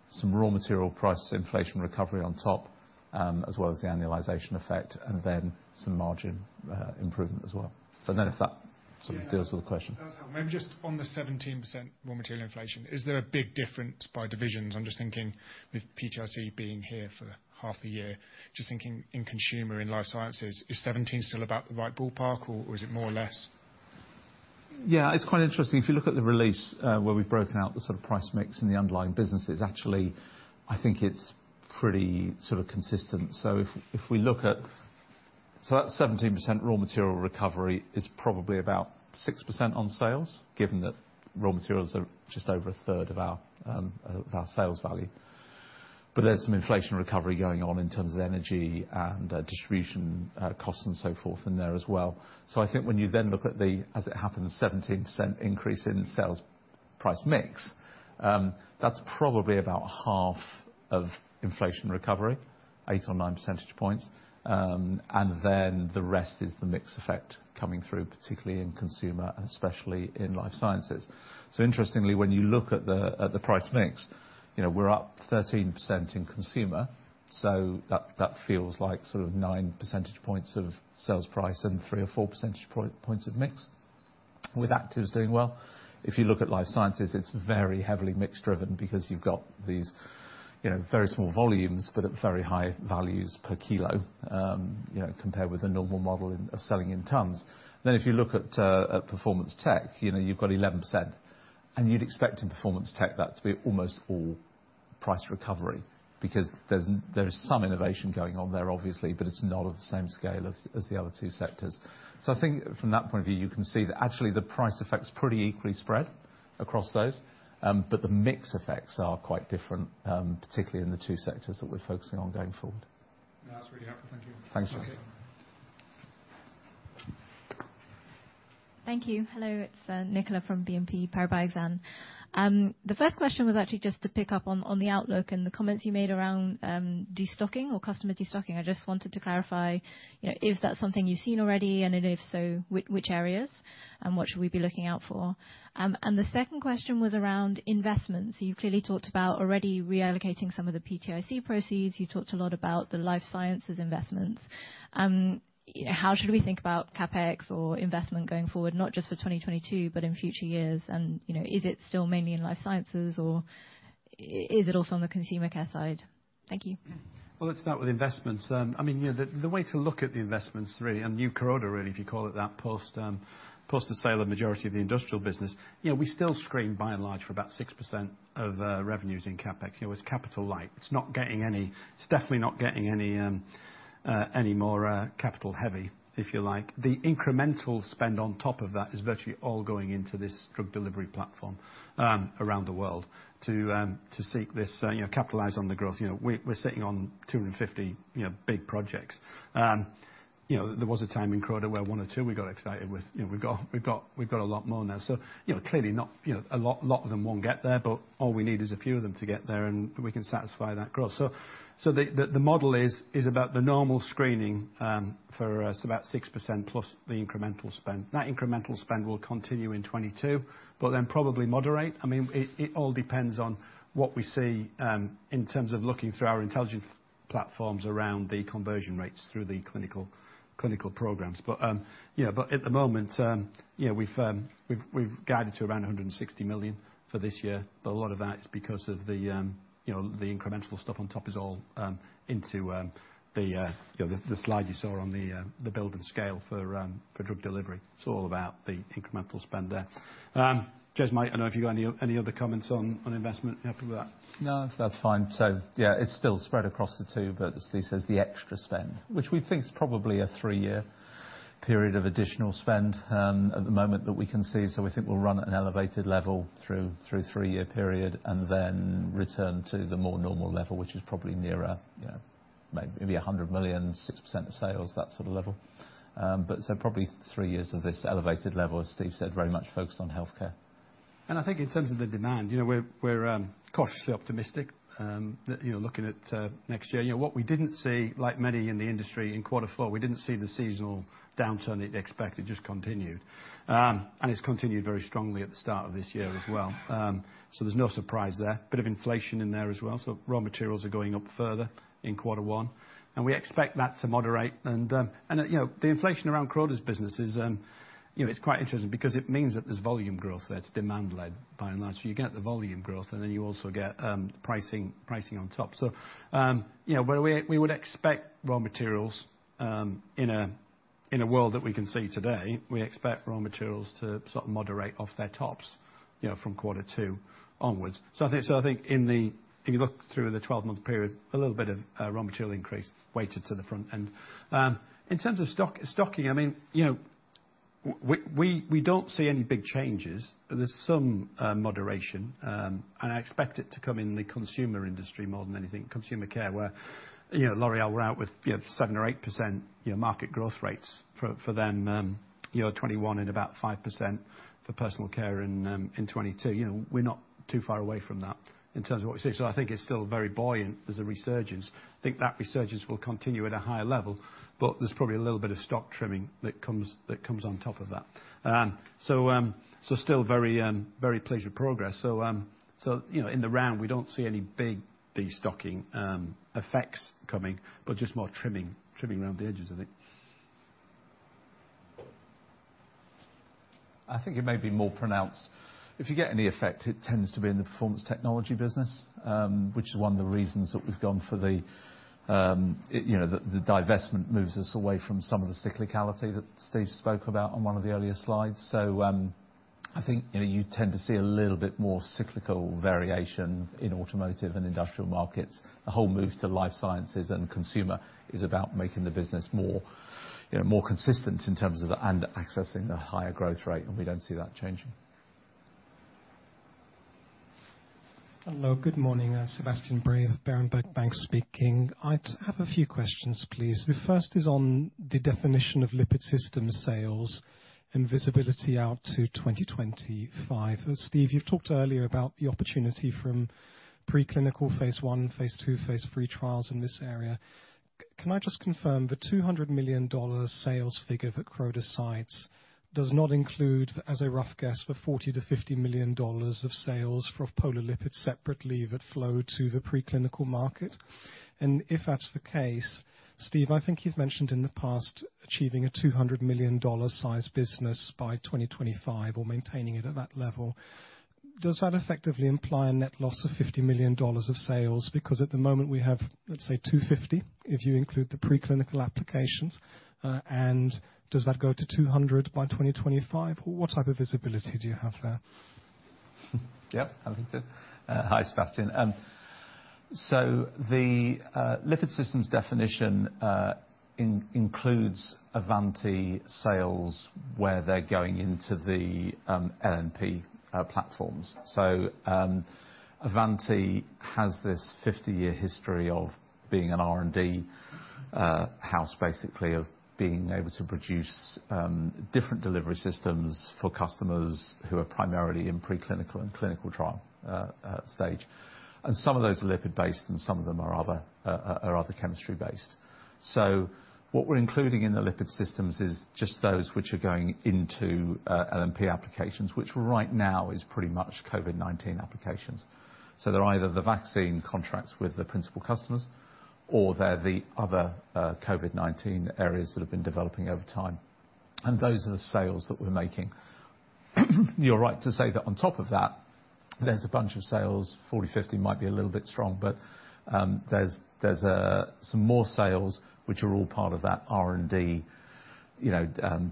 some raw material price inflation recovery on top, as well as the annualization effect, and then some margin improvement as well. I don't know if that sort of deals with the question. Yeah, that was helpful. Maybe just on the 17% raw material inflation. Is there a big difference by divisions? I'm just thinking with PTIC being here for half the year. Just thinking in Consumer, in Life Sciences, is 17 still about the right ballpark, or is it more or less? Yeah, it's quite interesting. If you look at the release, where we've broken out the sort of price mix in the underlying businesses, actually, I think it's pretty sort of consistent. That 17% raw material recovery is probably about 6% on sales, given that raw materials are just over a third of our sales value. But there's some inflation recovery going on in terms of energy and distribution costs and so forth in there as well. I think when you then look at the, as it happens, 17% increase in sales price mix, that's probably about half of inflation recovery, eight or nine percentage points. And then the rest is the mix effect coming through, particularly in consumer, and especially in Life Sciences. Interestingly, when you look at the price mix, you know, we're up 13% in consumer. That feels like sort of nine percentage points of sales price and three or four percentage points of mix. With Actives doing well. If you look at Life Sciences, it's very heavily mix driven because you've got these, you know, very small volumes but at very high values per kilo, you know, compared with the normal model in, of selling in tons. If you look at Performance Technologies, you know, you've got 11%. You'd expect in Performance Technologies that to be almost all price recovery. Because there's some innovation going on there obviously, but it's not of the same scale as the other two sectors. I think from that point of view you can see that actually the price effect's pretty equally spread across those. But the mix effects are quite different, particularly in the two sectors that we're focusing on going forward. No, that's really helpful. Thank you. Thanks. Okay. Thank you. Hello, it's Nicola from BNP Paribas Exane. The first question was actually just to pick up on the outlook and the comments you made around destocking or customer destocking. I just wanted to clarify, you know, if that's something you've seen already, and then if so, which areas and what should we be looking out for? The second question was around investments. You've clearly talked about already reallocating some of the PTIC proceeds. You talked a lot about the Life Sciences investments. You know, how should we think about CapEx or investment going forward, not just for 2022, but in future years? You know, is it still mainly in Life Sciences or is it also on the Consumer Care side? Thank you. Well, let's start with investments. I mean, you know, the way to look at the investments really, and new Croda really if you call it that, post the sale of majority of the industrial business, you know, we still spend by and large for about 6% of revenues in CapEx. You know, it's capital light. It's not getting any. It's definitely not getting any more capital heavy, if you like. The incremental spend on top of that is virtually all going into this drug delivery platform around the world to seek this, you know, capitalize on the growth. You know, we're sitting on 250, you know, big projects. You know, there was a time in Croda where one or two we got excited with. You know, we've got a lot more now. So, you know, clearly not, you know, a lot of them won't get there, but all we need is a few of them to get there and we can satisfy that growth. So, the model is about the normal screening, it's about 6% plus the incremental spend. That incremental spend will continue in 2022, but then probably moderate. I mean, it all depends on what we see in terms of looking through our intelligent platforms around the conversion rates through the clinical programs. But yeah. At the moment, you know, we've guided to around 160 million for this year, but a lot of that is because of the, you know, the incremental stuff on top is all into the, you know, the slide you saw on the build and scale for drug delivery. It's all about the incremental spend there. Jez, mate, I don't know if you've got any other comments on investment after that? No, that's fine. Yeah, it's still spread across the two, but as Steve says, the extra spend, which we think is probably a three-year period of additional spend, at the moment that we can see. We think we'll run at an elevated level through a three-year period, and then return to the more normal level, which is probably nearer, you know, maybe 100 million, 6% of sales, that sort of level. But probably three years of this elevated level, as Steve said, very much focused on healthcare. I think in terms of the demand, you know, we're cautiously optimistic, that, you know, looking at next year. You know, what we didn't see, like many in the industry in quarter four, we didn't see the seasonal downturn that you'd expect. It just continued. It's continued very strongly at the start of this year as well. There's no surprise there. Bit of inflation in there as well, so raw materials are going up further in quarter one. We expect that to moderate and, you know, the inflation around Croda's business is, you know, it's quite interesting because it means that there's volume growth there. It's demand led by and large. You get the volume growth and then you also get, pricing on top. You know, but we would expect raw materials, in a world that we can see today, we expect raw materials to sort of moderate off their tops, you know, from quarter two onwards. I think in the, if you look through the 12-month period, a little bit of raw material increase weighted to the front end. In terms of stock, I mean, you know, we don't see any big changes. There's some moderation, and I expect it to come in the consumer industry more than anything, Consumer Care, where, you know, L'Oréal were out with, you know, 7 or 8% market growth rates for them, you know, 2021 and about 5% for personal care in 2022. You know, we're not too far away from that in terms of what we see. I think it's still very buoyant. There's a resurgence. I think that resurgence will continue at a higher level, but there's probably a little bit of stock trimming that comes on top of that. Still very pleased with progress. You know, in the round, we don't see any big destocking effects coming, but just more trimming around the edges, I think. I think it may be more pronounced. If you get any effect, it tends to be in the Performance Technologies business, which is one of the reasons that we've gone for the, you know, the divestment moves us away from some of the cyclicality that Steve spoke about on one of the earlier slides. I think, you know, you tend to see a little bit more cyclical variation in automotive and industrial markets. The whole move to Life Sciences and Consumer Care is about making the business more, you know, consistent in terms of, and accessing the higher growth rate, and we don't see that changing. Hello. Good morning. Sebastian Bray of Berenberg Bank speaking. I have a few questions, please. The first is on the definition of lipid system sales and visibility out to 2025. Steve, you've talked earlier about the opportunity from preclinical phase I, phase II, phase III trials in this area. Can I just confirm the $200 million sales figure that Croda cites does not include, as a rough guess, the $40 million-$50 million of sales for polar lipids separately that flow to the preclinical market? If that's the case, Steve, I think you've mentioned in the past achieving a $200 million size business by 2025 or maintaining it at that level. Does that effectively imply a net loss of $50 million of sales? Because at the moment, we have, let's say $250, if you include the preclinical applications. Does that go to $200 by 2025? What type of visibility do you have there? Yeah, I think so. Hi, Sebastian. The Lipid Systems definition includes Avanti sales where they're going into the LNP platforms. Avanti has this 50-year history of being an R&D house, basically, of being able to produce different delivery systems for customers who are primarily in preclinical and clinical trial stage. Some of those are lipid-based, and some of them are other chemistry-based. What we're including in the Lipid Systems is just those which are going into LNP applications, which right now is pretty much COVID-19 applications. They're either the vaccine contracts with the principal customers, or they're the other COVID-19 areas that have been developing over time. Those are the sales that we're making. You're right to say that on top of that, there's a bunch of sales, 40, 50 might be a little bit strong, but there's some more sales which are all part of that R&D, you know,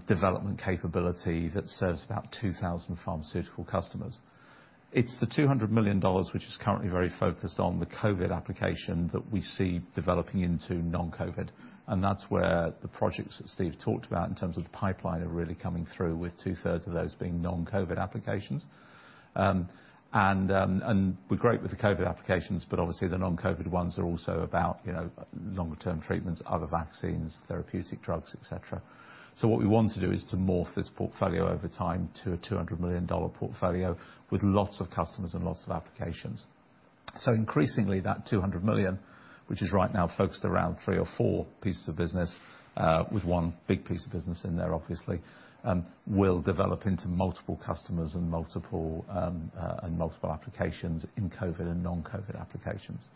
development capability that serves about 2,000 pharmaceutical customers. It's the $200 million, which is currently very focused on the COVID application that we see developing into non-COVID. That's where the projects that Steve talked about in terms of the pipeline are really coming through with two-thirds of those being non-COVID applications. We're great with the COVID applications, but obviously, the non-COVID ones are also about, you know, longer-term treatments, other vaccines, therapeutic drugs, et cetera. What we want to do is to morph this portfolio over time to a $200 million portfolio with lots of customers and lots of applications. Increasingly that $200 million, which is right now focused around three or four pieces of business, with one big piece of business in there, obviously, will develop into multiple customers and multiple applications in COVID and non-COVID applications.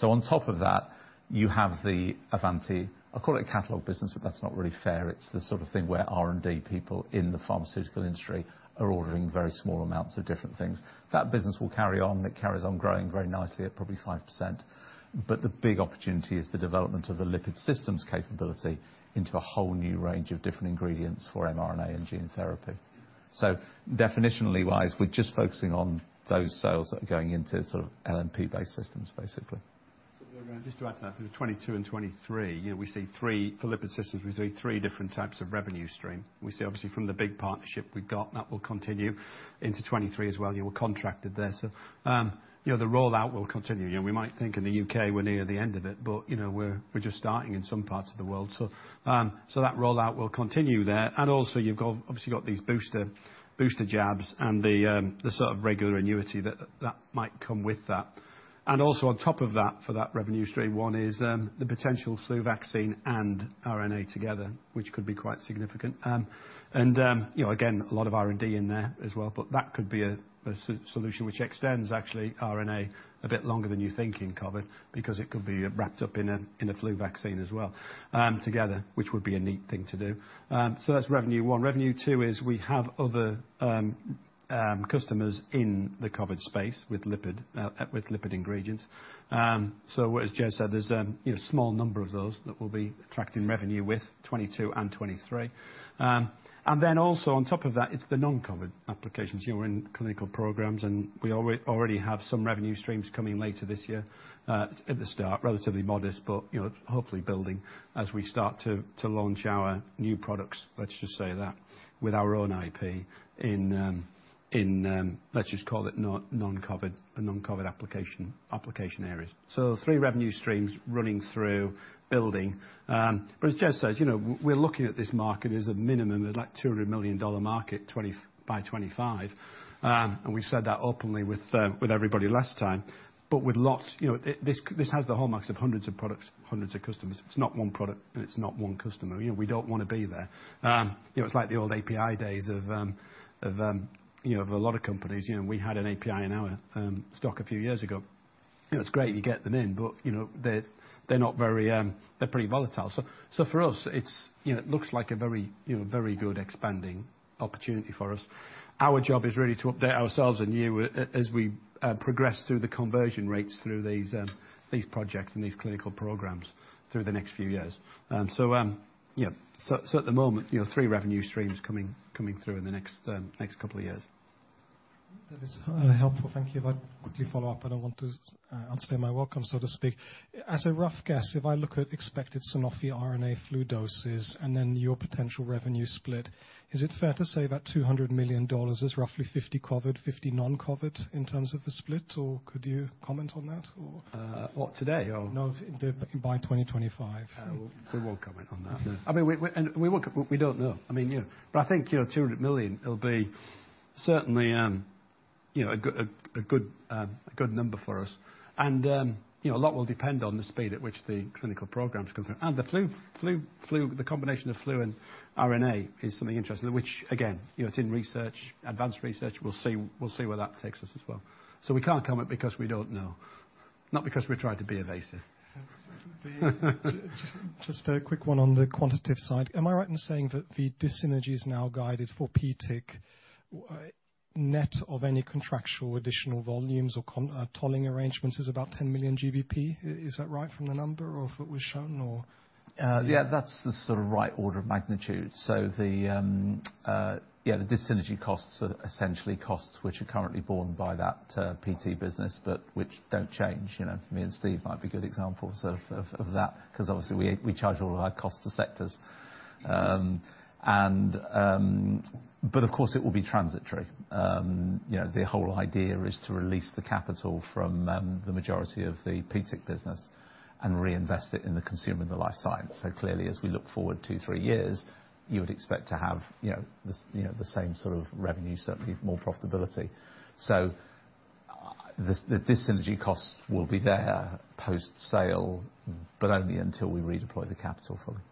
On top of that, you have the Avanti, I call it a catalog business, but that's not really fair. It's the sort of thing where R&D people in the pharmaceutical industry are ordering very small amounts of different things. That business will carry on. It carries on growing very nicely at probably 5%. The big opportunity is the development of the Lipid Systems capability into a whole new range of different ingredients for mRNA and gene therapy. Definitionally wise, we're just focusing on those sales that are going into sort of LNP-based systems, basically. We're gonna just to add to that, through 2022 and 2023, you know, we see three different types of revenue stream for Lipid Systems. We see obviously from the big partnership we got, that will continue into 2023 as well. You know, we're contracted there. You know, the rollout will continue. You know, we might think in the UK, we're near the end of it, but, you know, we're just starting in some parts of the world. That rollout will continue there. You've obviously got these booster jabs and the sort of regular annuity that might come with that. On top of that, for that revenue stream one is the potential flu vaccine and RNA together, which could be quite significant. You know, again, a lot of R&D in there as well, but that could be a solution which extends actually RNA a bit longer than you think in COVID, because it could be wrapped up in a flu vaccine as well, together, which would be a neat thing to do. That's revenue one. Revenue two is we have other customers in the COVID space with lipid ingredients. As Jez said, there's you know, small number of those that we'll be attracting revenue with 2022 and 2023. Also, on top of that, it's the non-COVID applications. You're in clinical programs, and we already have some revenue streams coming later this year, at the start, relatively modest, but, you know, hopefully building as we start to launch our new products, let's just say that, with our own IP in, let's just call it non-COVID application areas. Three revenue streams running through building. As Jez says, you know, we're looking at this market as a minimum of like $200 million market by 2025. We've said that openly with everybody last time. With lots, you know, this has the hallmarks of hundreds of products, hundreds of customers. It's not one product and it's not one customer. You know, we don't wanna be there. You know, it's like the old API days of a lot of companies. You know, we had an API in our stock a few years ago. You know, it's great, you get them in, but you know, they're pretty volatile. For us, it's you know, it looks like a very very good expanding opportunity for us. Our job is really to update ourselves and you as we progress through the conversion rates through these projects and these clinical programs through the next few years. Yeah. At the moment, you know, three revenue streams coming through in the next couple of years. That is helpful. Thank you. If I quickly follow up, I don't want to outstay my welcome, so to speak. As a rough guess, if I look at expected Sanofi RNA flu doses and then your potential revenue split, is it fair to say that $200 million is roughly 50 COVID, 50 non-COVID in terms of the split? Or could you comment on that or? What today or? No, by 2025. We won't comment on that. No. I mean, we don't know. I mean, you know, but I think, you know, $200 million, it'll be certainly, you know, a good number for us. A lot will depend on the speed at which the clinical programs come through. The combination of flu and RNA is something interesting, which again, you know, it's in research, advanced research. We'll see where that takes us as well. We can't comment because we don't know, not because we're trying to be evasive. Just a quick one on the quantitative side. Am I right in saying that the dis-synergy is now guided for PTIC, net of any contractual additional volumes or contract tolling arrangements is about 10 million GBP? Is that right from the number, or if it was shown, or? Yeah, that's the sort of right order of magnitude. The dis-synergy costs are essentially costs which are currently borne by that PT business, but which don't change, you know. Me and Steve might be good examples of that, 'cause obviously we charge all of our costs to sectors. Of course it will be transitory. You know, the whole idea is to release the capital from the majority of the PTIC business and reinvest it in the consumer and the Life Sciences. Clearly, as we look forward two to three years, you would expect to have the same sort of revenue, certainly more profitability. The dis-synergy costs will be there post-sale, but only until we redeploy the capital fully.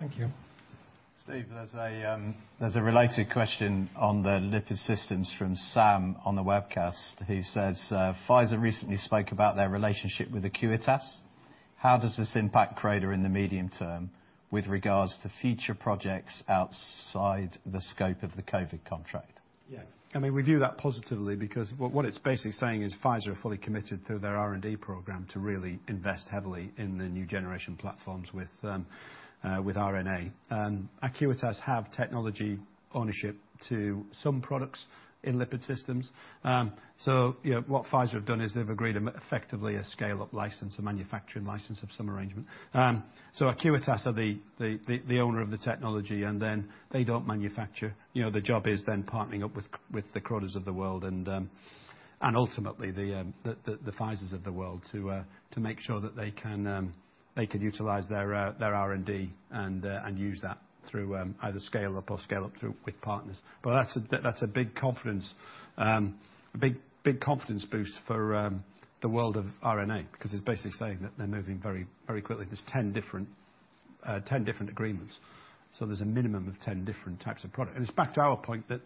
Thank you. Steve, there's a related question on the Lipid Systems from Sam on the webcast, who says, "Pfizer recently spoke about their relationship with Acuitas. How does this impact Croda in the medium term with regards to future projects outside the scope of the COVID contract? Yeah. I mean, we view that positively because what it's basically saying is Pfizer are fully committed through their R&D program to really invest heavily in the new generation platforms with RNA. Acuitas have technology ownership to some products in Lipid Systems. Yeah, what Pfizer have done is they've agreed, effectively, a scale-up license, a manufacturing license or some arrangement. Acuitas are the owner of the technology, and then they don't manufacture. You know, their job is then partnering up with the Crodas of the world and ultimately the Pfizers of the world to make sure that they can utilize their R&D and use that through either scale-up or scale-up through with partners. That's a big confidence boost for the world of RNA, because it's basically saying that they're moving very quickly. There's 10 different agreements, so there's a minimum of 10 different types of product. It's back to our point that,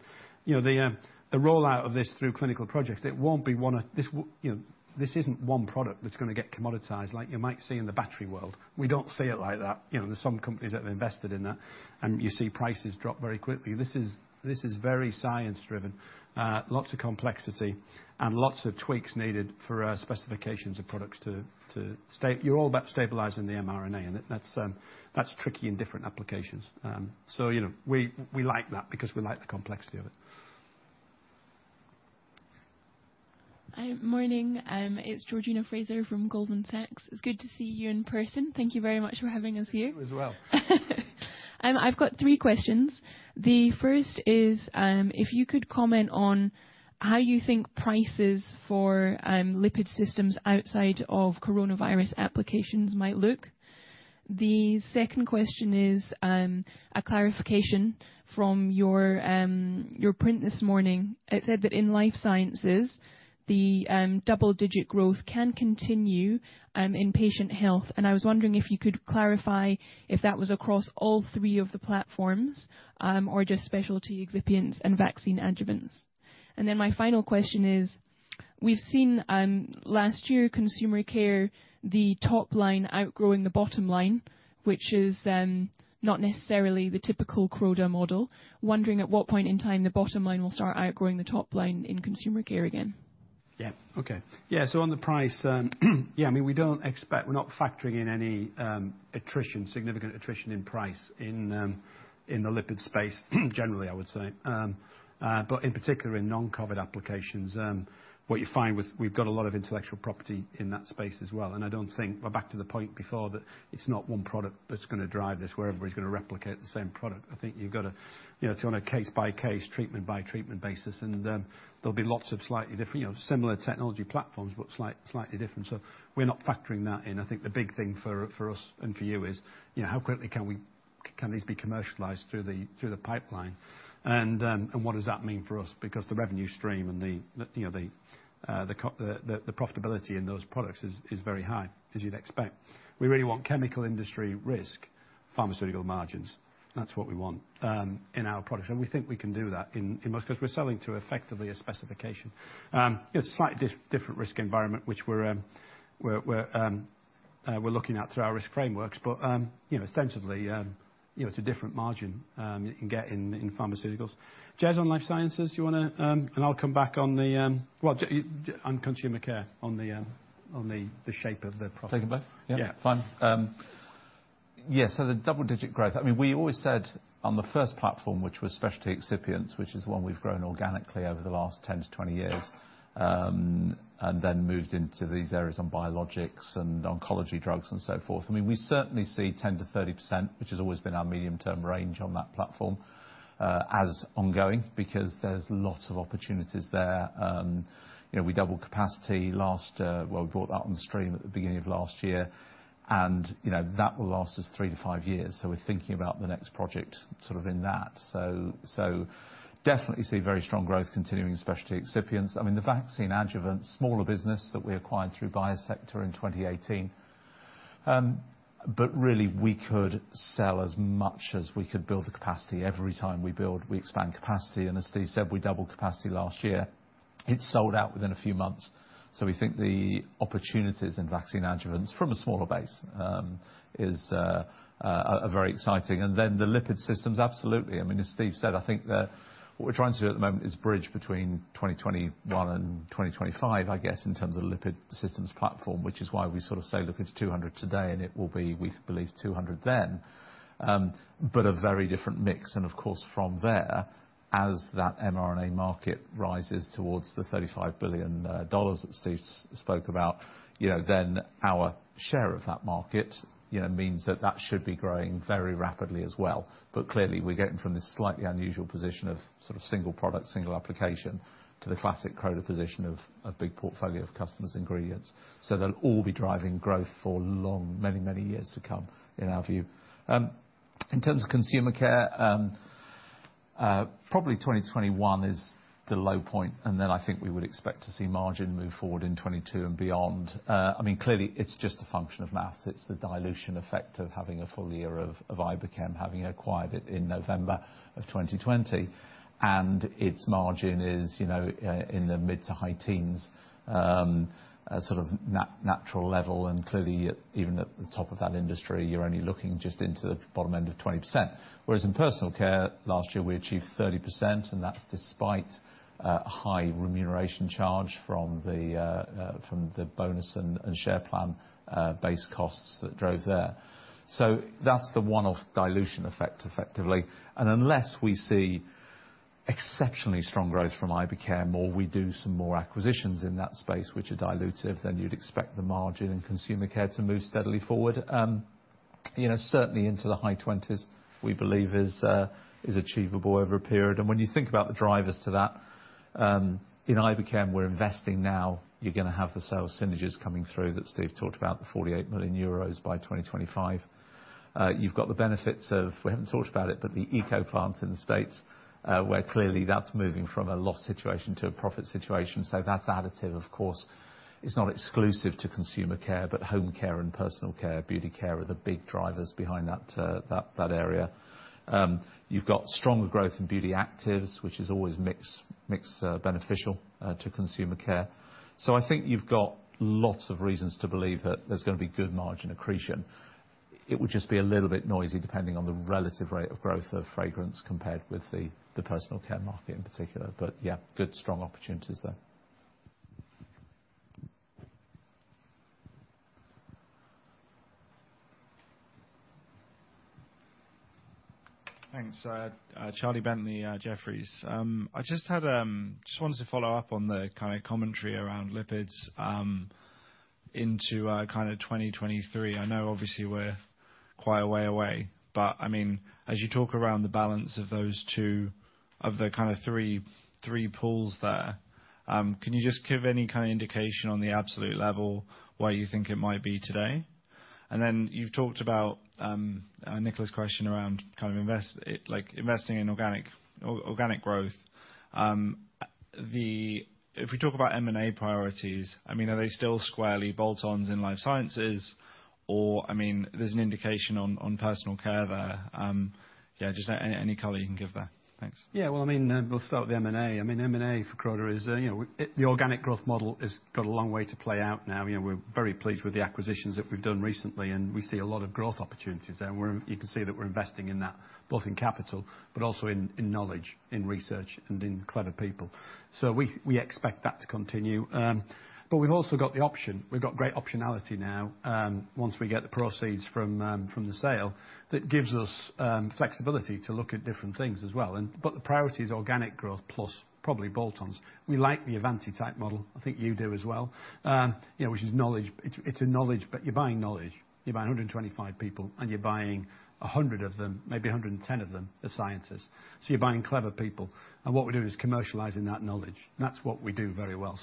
you know, the rollout of this through clinical projects, it won't be one. You know, this isn't one product that's gonna get commoditized like you might see in the battery world. We don't see it like that. You know, there's some companies that have invested in that, and you see prices drop very quickly. This is very science driven. Lots of complexity and lots of tweaks needed for specifications of products. You're all about stabilizing the mRNA, and that's tricky in different applications. You know, we like that because we like the complexity of it. Hi. Morning, it's Georgina Fraser from Goldman Sachs. It's good to see you in person. Thank you very much for having us here. You as well. I've got three questions. The first is, if you could comment on how you think prices for Lipid Systems outside of coronavirus applications might look. The second question is, a clarification from your print this morning. It said that in Life Sciences, the double-digit growth can continue in patient health, and I was wondering if you could clarify if that was across all three of the platforms or just specialty excipients and vaccine adjuvants. My final question is, we've seen last year Consumer Care, the top line outgrowing the bottom line, which is not necessarily the typical Croda model. Wondering at what point in time the bottom line will start outgrowing the top line in Consumer Care again. So on the price, I mean, we don't expect, we're not factoring in any attrition, significant attrition in price in the lipid space generally, I would say. But in particular in non-COVID applications. What you find with, we've got a lot of intellectual property in that space as well, and I don't think we're back to the point before that it's not one product that's gonna drive this where everybody's gonna replicate the same product. I think you've got to, you know, it's on a case-by-case, treatment-by-treatment basis, and there'll be lots of slightly different, you know, similar technology platforms, but slightly different. We're not factoring that in. I think the big thing for us and for you is, you know, how quickly can these be commercialized through the pipeline, and what does that mean for us? Because the revenue stream and, you know, the profitability in those products is very high, as you'd expect. We really want chemical industry risk, pharmaceutical margins. That's what we want in our products, and we think we can do that in most, 'cause we're selling to, effectively, a specification. It's slightly different risk environment which we're looking at through our risk frameworks. You know, ostensibly, you know, it's a different margin you can get in pharmaceuticals. Jez, on Life Sciences, do you wanna... I'll come back on Consumer Care, well, on the shape of the profit. Take 'em both? Yeah. Fine. The double-digit growth, I mean, we always said on the first platform, which was specialty excipients, which is the one we've grown organically over the last 10-20 years, and then moved into these areas on biologics and oncology drugs and so forth. I mean, we certainly see 10%-30%, which has always been our medium-term range on that platform, as ongoing, because there's lots of opportunities there. You know, we doubled capacity. We brought that on stream at the beginning of last year and, you know, that will last us three to five years. We're thinking about the next project sort of in that. So definitely see very strong growth continuing in specialty excipients. I mean, the vaccine adjuvant, smaller business that we acquired through Biosector in 2018, but really we could sell as much as we could build the capacity. Every time we build, we expand capacity, and as Steve said, we doubled capacity last year. It sold out within a few months. We think the opportunities in vaccine adjuvants, from a smaller base, are very exciting. Then the Lipid Systems, absolutely. I mean, as Steve said, I think that what we're trying to do at the moment is bridge between 2021 and 2025, I guess, in terms of Lipid Systems platform, which is why we sort of say lipids $200 million today, and it will be, we believe, $200 million then. But a very different mix. Of course, from there, as that mRNA market rises towards the $35 billion that Steve spoke about, you know, then our share of that market, you know, means that that should be growing very rapidly as well. But clearly, we're getting from this slightly unusual position of sort of single product, single application, to the classic Croda position of big portfolio of customers' ingredients. So they'll all be driving growth for long, many years to come, in our view. In terms of Consumer Care, probably 2021 is the low point, and then I think we would expect to see margin move forward in 2022 and beyond. I mean, clearly it's just a function of maths. It's the dilution effect of having a full year of Iberchem, having acquired it in November of 2020. Its margin is, you know, in the mid- to high-teens %, sort of natural level. Clearly, even at the top of that industry, you're only looking just into the bottom end of 20%. Whereas in Personal Care, last year we achieved 30%, and that's despite a high remuneration charge from the bonus and share plan base costs that drove there. That's the one-off dilution effect, effectively. Unless we see exceptionally strong growth from Iberchem, or we do some more acquisitions in that space which are dilutive, then you'd expect the margin in Consumer Care to move steadily forward. You know, certainly into the high 20s %, we believe is achievable over a period. When you think about the drivers to that, in Iberchem, we're investing now. You're gonna have the sales synergies coming through that Steve talked about, the 48 million euros by 2025. You've got the benefits of, we haven't talked about it, but the ECO plant in the States, where clearly that's moving from a loss situation to a profit situation. That's additive, of course. It's not exclusive to Consumer Care, but Home Care and Personal Care, Beauty Care are the big drivers behind that area. You've got stronger growth in Beauty Actives, which is always mix beneficial to Consumer Care. I think you've got lots of reasons to believe that there's gonna be good margin accretion. It would just be a little bit noisy depending on the relative rate of growth of fragrance compared with the Personal Care market in particular. Yeah, good strong opportunities there. Thanks. Charlie Bentley at Jefferies. I just wanted to follow up on the kind of commentary around lipids into kind of 2023. I know obviously we're quite a way away, but I mean, as you talk around the balance of those two, of the kind of three pools there, can you just give any kind of indication on the absolute level, where you think it might be today? You've talked about Nicola's question around kind of investing in organic or organic growth. If we talk about M&A priorities, I mean, are they still squarely bolt-ons in Life Sciences? Or I mean, there's an indication on Personal Care there. Just any color you can give there. Thanks. Yeah. Well, I mean, we'll start with the M&A. I mean, M&A for Croda is, you know, it, the organic growth model has got a long way to play out now. You know, we're very pleased with the acquisitions that we've done recently, and we see a lot of growth opportunities there. You can see that we're investing in that, both in capital, but also in knowledge, in research, and in clever people. We expect that to continue. We've also got the option. We've got great optionality now, once we get the proceeds from the sale, that gives us flexibility to look at different things as well. But the priority is organic growth plus probably bolt-ons. We like the Avanti-type model. I think you do as well. You know, which is knowledge. It's a knowledge, but you're buying knowledge. You're buying 125 people, and you're buying 100 of them, maybe 110 of them are scientists. You're buying clever people. What we're doing is commercializing that knowledge. That's what we do very well.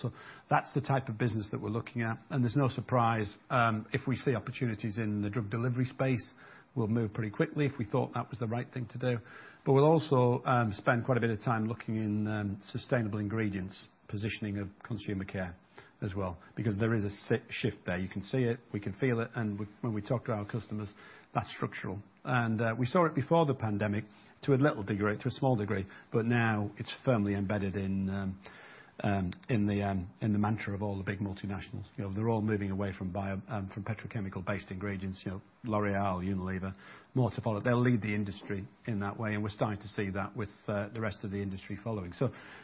That's the type of business that we're looking at. There's no surprise if we see opportunities in the drug delivery space, we'll move pretty quickly if we thought that was the right thing to do. We'll also spend quite a bit of time looking in sustainable ingredients, positioning of Consumer Care as well, because there is a shift there. You can see it, we can feel it, and when we talk to our customers, that's structural. We saw it before the pandemic to a small degree, but now it's firmly embedded in the mantra of all the big multinationals. You know, they're all moving away from petrochemical-based ingredients, you know, L'Oréal, Unilever, more to follow. They'll lead the industry in that way, and we're starting to see that with the rest of the industry following.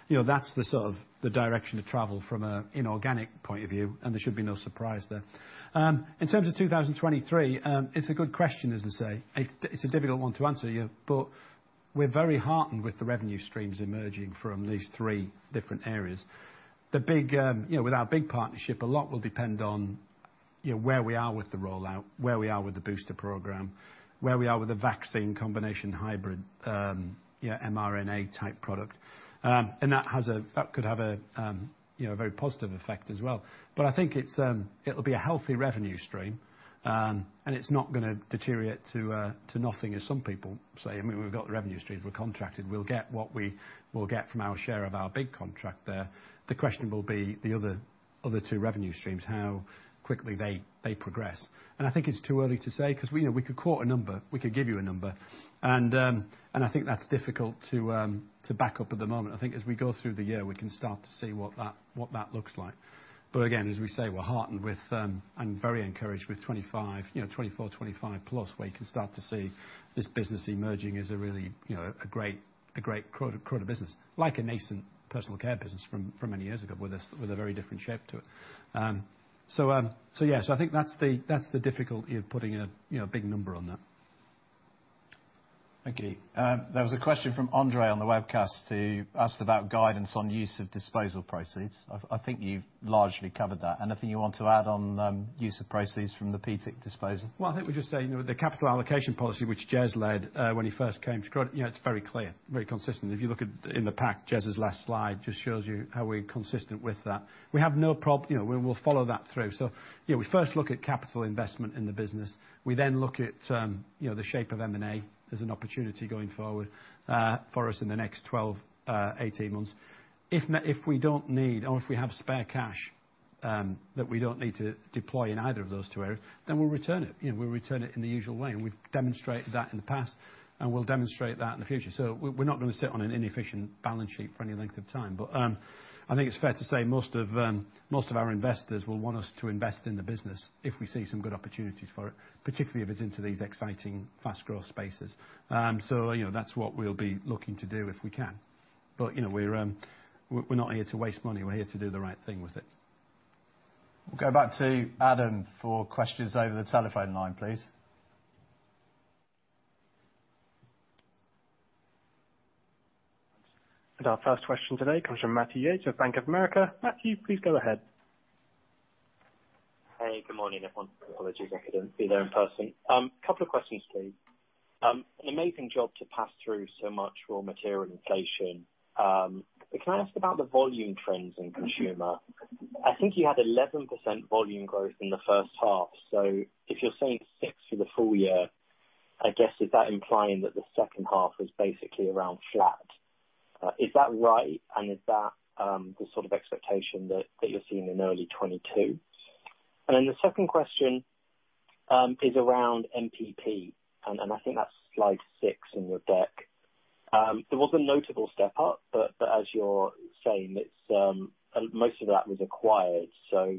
You know, that's the sort of direction of travel from a organic point of view, and there should be no surprise there. In terms of 2023, it's a good question, as I say. It's a difficult one to answer you. We're very heartened with the revenue streams emerging from these three different areas. The big, you know, with our big partnership, a lot will depend on. You know, where we are with the rollout, where we are with the booster program, where we are with the vaccine combination hybrid, you know, mRNA type product. That could have a, you know, a very positive effect as well. I think it's, it'll be a healthy revenue stream, and it's not gonna deteriorate to nothing, as some people say. I mean, we've got revenue streams, we're contracted. We'll get what we will get from our share of our big contract there. The question will be the other two revenue streams, how quickly they progress. I think it's too early to say, 'cause we know we could quote a number, we could give you a number. I think that's difficult to back up at the moment. I think as we go through the year, we can start to see what that looks like. But again, as we say, we're heartened with and very encouraged with 25, you know, 24, 25 plus, where you can start to see this business emerging as a really, you know, a great Croda business. Like a nascent personal care business from many years ago with a very different shape to it. Yeah, I think that's the difficulty of putting a big number on that. Thank you. There was a question from Andre on the webcast who asked about guidance on use of disposal proceeds. I think you largely covered that. Anything you want to add on use of proceeds from the PTIC disposal? Well, I think we just say, you know, the capital allocation policy which Jez led, when he first came to Croda, you know, it's very clear, very consistent. If you look at, in the pack, Jez's last slide just shows you how we're consistent with that. You know, we'll follow that through. You know, we first look at capital investment in the business. We then look at, you know, the shape of M&A as an opportunity going forward, for us in the next 12, 18 months. If we don't need or if we have spare cash, that we don't need to deploy in either of those two areas, then we'll return it. You know, we'll return it in the usual way, and we've demonstrated that in the past, and we'll demonstrate that in the future. We're not gonna sit on an inefficient balance sheet for any length of time. I think it's fair to say most of our investors will want us to invest in the business if we see some good opportunities for it, particularly if it's into these exciting fast growth spaces. You know, that's what we'll be looking to do if we can. You know, we're not here to waste money. We're here to do the right thing with it. We'll go back to Adam for questions over the telephone line, please. Our first question today comes from Matthew Yates of Bank of America. Matthew, please go ahead. Hey, good morning, everyone. Apologies I couldn't be there in person. Couple of questions, please. An amazing job to pass through so much raw material inflation. But can I ask about the volume trends in consumer? I think you had 11% volume growth in the first half. So if you're saying 6% for the full year, I guess is that implying that the second half is basically around flat? Is that right? And is that the sort of expectation that you're seeing in early 2022? And then the second question is around NPP, and I think that's slide six in your deck. There was a notable step up, but as you're saying, it's most of that was acquired, so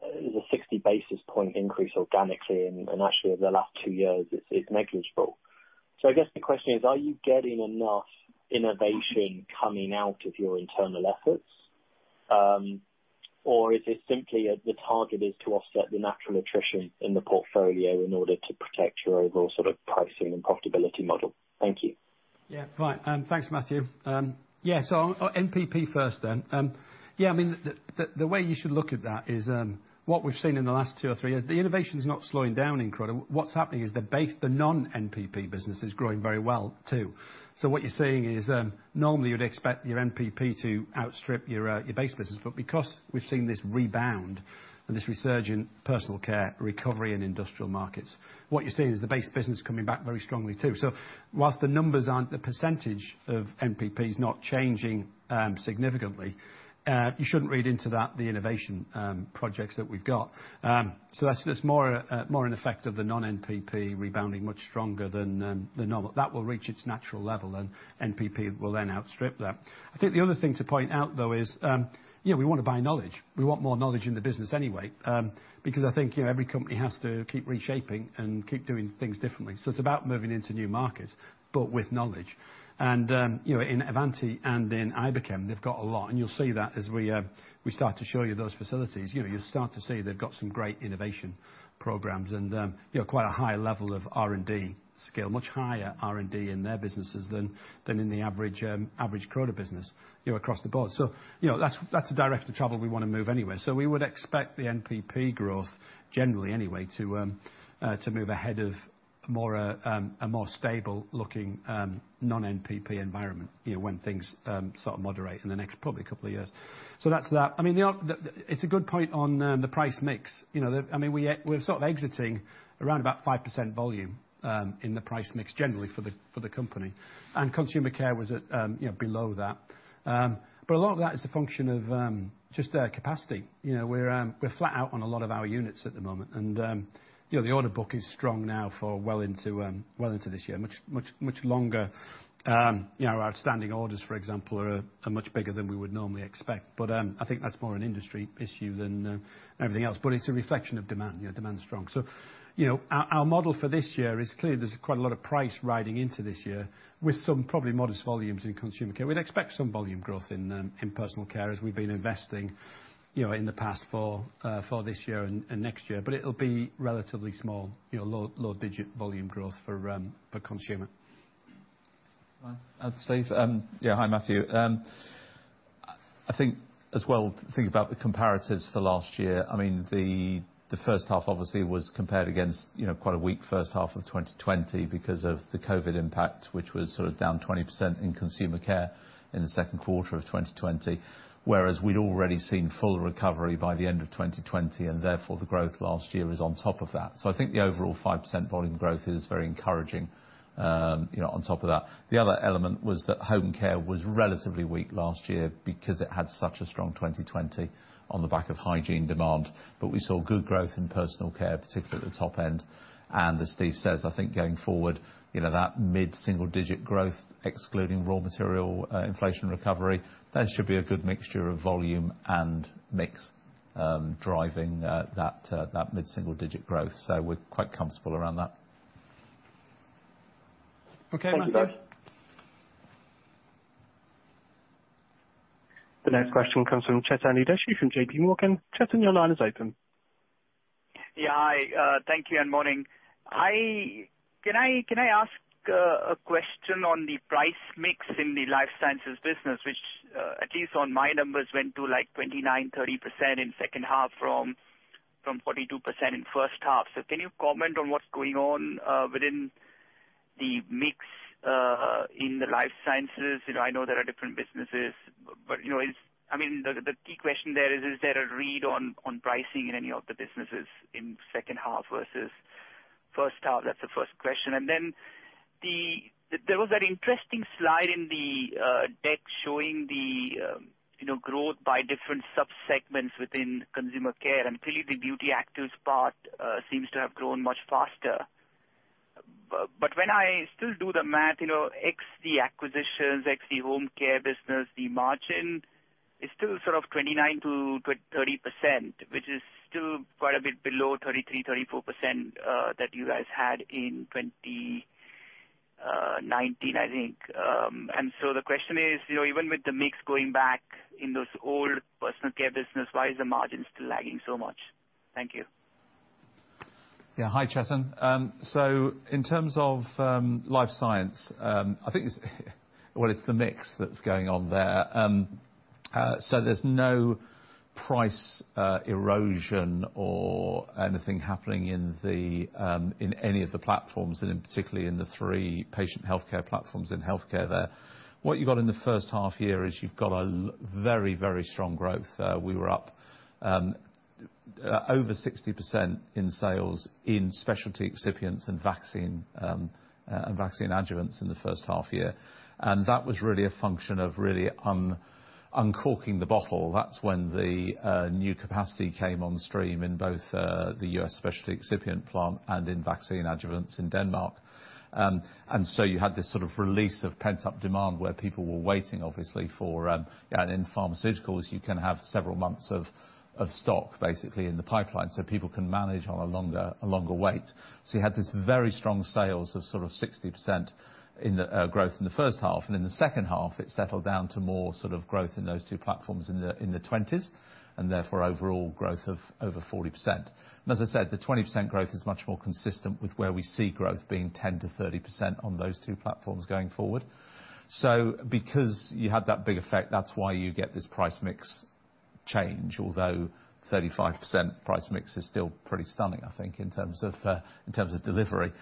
there's a 60 basis point increase organically, and actually over the last two years, it's negligible. I guess the question is, are you getting enough innovation coming out of your internal efforts, or is it simply the target is to offset the natural attrition in the portfolio in order to protect your overall sort of pricing and profitability model? Thank you. Yeah. Right. Thanks, Matthew. Yeah, NPP first then. Yeah, I mean, the way you should look at that is what we've seen in the last two or three years. The innovation's not slowing down in Croda. What's happening is the base non-NPP business is growing very well too. What you're seeing is normally you'd expect your NPP to outstrip your base business. But because we've seen this rebound and this resurgent personal care recovery in industrial markets, what you're seeing is the base business coming back very strongly too. While the numbers aren't the percentage of NPP is not changing significantly, you shouldn't read into that the innovation projects that we've got. That's more an effect of the non-NPP rebounding much stronger than the normal. That will reach its natural level, and NPP will then outstrip that. I think the other thing to point out, though, is, yeah, we wanna buy knowledge. We want more knowledge in the business anyway, because I think, you know, every company has to keep reshaping and keep doing things differently. It's about moving into new markets, but with knowledge. You know, in Avanti and in Iberchem, they've got a lot, and you'll see that as we start to show you those facilities. You know, you'll start to see they've got some great innovation programs and, you know, quite a high level of R&D skill, much higher R&D in their businesses than in the average Croda business, you know, across the board. You know, that's the direction of travel we wanna move anyway. We would expect the NPP growth generally anyway to move ahead of a more stable looking non-NPP environment, you know, when things sort of moderate in the next probably couple of years. That's that. It's a good point on the price mix. You know, we're sort of exiting around about 5% volume in the price mix generally for the company, and Consumer Care was at, you know, below that. A lot of that is a function of just capacity. You know, we're flat out on a lot of our units at the moment, and you know, the order book is strong now for well into this year. Much longer, you know, our outstanding orders, for example, are much bigger than we would normally expect. I think that's more an industry issue than everything else. It's a reflection of demand. You know, demand is strong. You know, our model for this year is clearly there's quite a lot of price riding into this year with some probably modest volumes in Consumer Care. We'd expect some volume growth in personal care as we've been investing, you know, in the past for this year and next year. It'll be relatively small, you know, low digit volume growth for Consumer Care. Steve. Hi, Matthew. I think as well, think about the comparatives for last year. I mean, the first half obviously was compared against you know, quite a weak first half of 2020 because of the COVID impact, which was sort of down 20% in Consumer Care in the second quarter of 2020. Whereas we'd already seen full recovery by the end of 2020, and therefore the growth last year is on top of that. I think the overall 5% volume growth is very encouraging, you know, on top of that. The other element was that Home Care was relatively weak last year because it had such a strong 2020 on the back of hygiene demand. We saw good growth in personal care, particularly at the top end. As Steve says, I think going forward, you know, that mid-single-digit growth excluding raw material inflation recovery, there should be a good mixture of volume and mix, driving that mid-single-digit growth. We're quite comfortable around that. Okay, Matthew. Thank you, sir. The next question comes from Chetan Udeshi from J.P. Morgan. Chetan, your line is open. Yeah, hi, thank you and morning. Can I ask a question on the price mix in the Life Sciences business, which, at least on my numbers, went to, like, 29-30% in second half from 42% in first half. Can you comment on what's going on within the mix in the Life Sciences? You know, I know there are different businesses, but, you know, I mean, the key question there is there a read on pricing in any of the businesses in second half versus first half? That's the first question. And then there was that interesting slide in the deck showing the, you know, growth by different sub-segments within Consumer Care. And clearly, the Beauty Actives part seems to have grown much faster. When I still do the math, you know, ex the acquisitions, ex the home care business, the margin is still sort of 29%-30%, which is still quite a bit below 33%-34% that you guys had in 2019, I think. The question is, you know, even with the mix going back in those old personal care business, why is the margin still lagging so much? Thank you. Hi, Chetan. In terms of Life Sciences, I think it's the mix that's going on there. There's no price erosion or anything happening in any of the platforms, and particularly in the three patient healthcare platforms in healthcare there. What you've got in the first half year is very, very strong growth. We were up over 60% in sales in specialty excipients and vaccine adjuvants in the first half year. That was really a function of really uncorking the bottle. That's when the new capacity came on stream in both the US specialty excipient plant and in vaccine adjuvants in Denmark. You had this sort of release of pent-up demand where people were waiting, obviously, for, you know, and in pharmaceuticals, you can have several months of stock, basically in the pipeline, so people can manage on a longer wait. You had this very strong sales growth of sort of 60% in the first half. In the second half, it settled down to more sort of growth in those two platforms in the 20s, and therefore overall growth of over 40%. As I said, the 20% growth is much more consistent with where we see growth being 10%-30% on those two platforms going forward. Because you had that big effect, that's why you get this price mix change. Although 35% price mix is still pretty stunning, I think, in terms of delivery.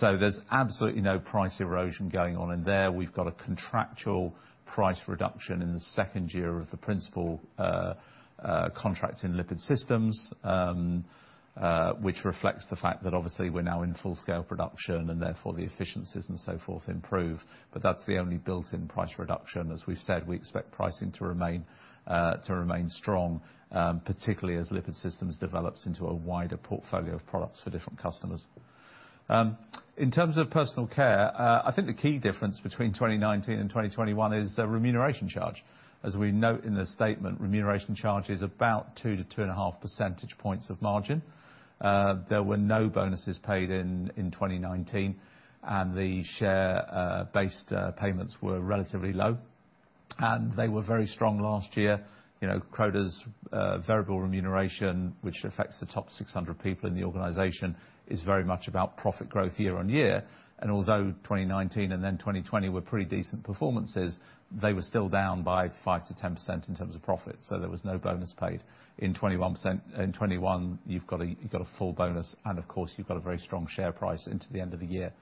There's absolutely no price erosion going on in there. We've got a contractual price reduction in the second year of the principal contract in Lipid Systems, which reflects the fact that obviously we're now in full scale production and therefore the efficiencies and so forth improve. That's the only built-in price reduction. As we've said, we expect pricing to remain strong, particularly as Lipid Systems develops into a wider portfolio of products for different customers. In terms of personal care, I think the key difference between 2019 and 2021 is the remuneration charge. As we note in the statement, remuneration charge is about 2-2.5 percentage points of margin. There were no bonuses paid in 2019, and the share-based payments were relatively low, and they were very strong last year. You know, Croda's variable remuneration, which affects the top 600 people in the organization, is very much about profit growth year on year. Although 2019 and then 2020 were pretty decent performances, they were still down by 5%-10% in terms of profit, so there was no bonus paid. In 2021, you've got a full bonus, and of course, you've got a very strong share price into the end of the year.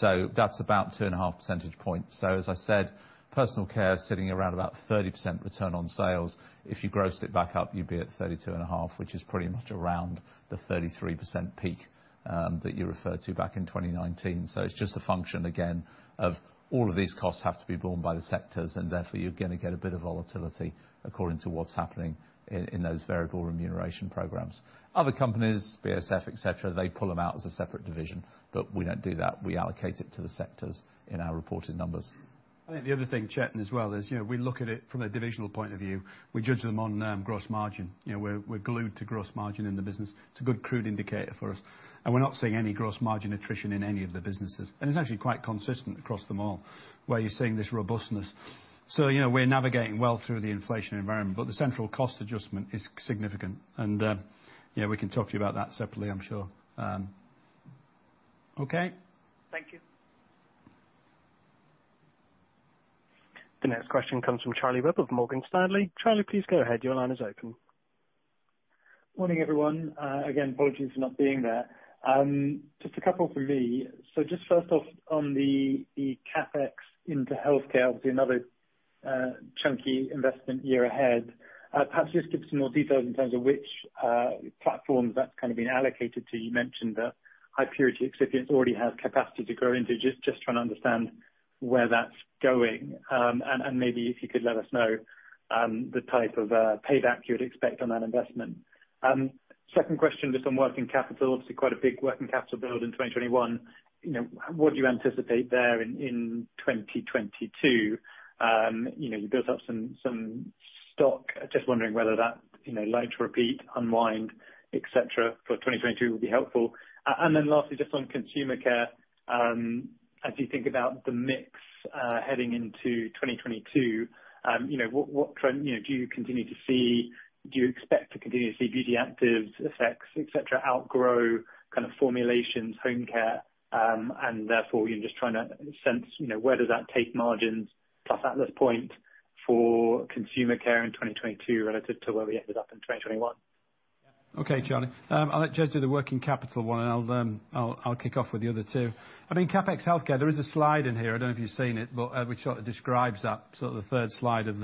That's about 2.5 percentage points. As I said, personal care sitting around about 30% return on sales. If you grossed it back up, you'd be at 32.5, which is pretty much around the 33% peak that you referred to back in 2019. It's just a function, again, of all of these costs have to be borne by the sectors, and therefore you're gonna get a bit of volatility according to what's happening in those variable remuneration programs. Other companies, BASF, et cetera, they pull them out as a separate division. But we don't do that. We allocate it to the sectors in our reported numbers. I think the other thing, Chetan, as well, is, you know, we look at it from a divisional point of view. We judge them on gross margin. You know, we're glued to gross margin in the business. It's a good crude indicator for us, and we're not seeing any gross margin attrition in any of the businesses. It's actually quite consistent across them all, where you're seeing this robustness. You know, we're navigating well through the inflation environment, but the central cost adjustment is significant and, yeah, we can talk to you about that separately, I'm sure. Okay? Thank you. The next question comes from Charlie Webb of Morgan Stanley. Charlie, please go ahead. Your line is open. Morning, everyone. Again, apologies for not being there. Just a couple from me. Just first off on the CapEx into healthcare with another chunky investment year ahead. Perhaps just give us some more details in terms of which platforms that's kind of been allocated to. You mentioned that high purity excipients already have capacity to grow into. Just trying to understand where that's going. And maybe if you could let us know the type of payback you'd expect on that investment. Second question just on working capital. Obviously quite a big working capital build in 2021. You know, what do you anticipate there in 2022? You know, you built up some stock. Just wondering whether that, you know, like to repeat, unwind, et cetera, for 2022 would be helpful. Then lastly, just on Consumer Care, as you think about the mix, heading into 2022, you know, what trend do you continue to see? Do you expect to continue to see Beauty Actives, effects, et cetera, outgrow kind of formulations, Home Care, and therefore you're just trying to sense, you know, where does that take margins plus Atlas Point for Consumer Care in 2022 relative to where we ended up in 2021? Okay, Charlie. I'll let Jez do the working capital one, and I'll kick off with the other two. I mean, CapEx healthcare, there is a slide in here, I don't know if you've seen it, but which sort of describes that, sort of the third slide of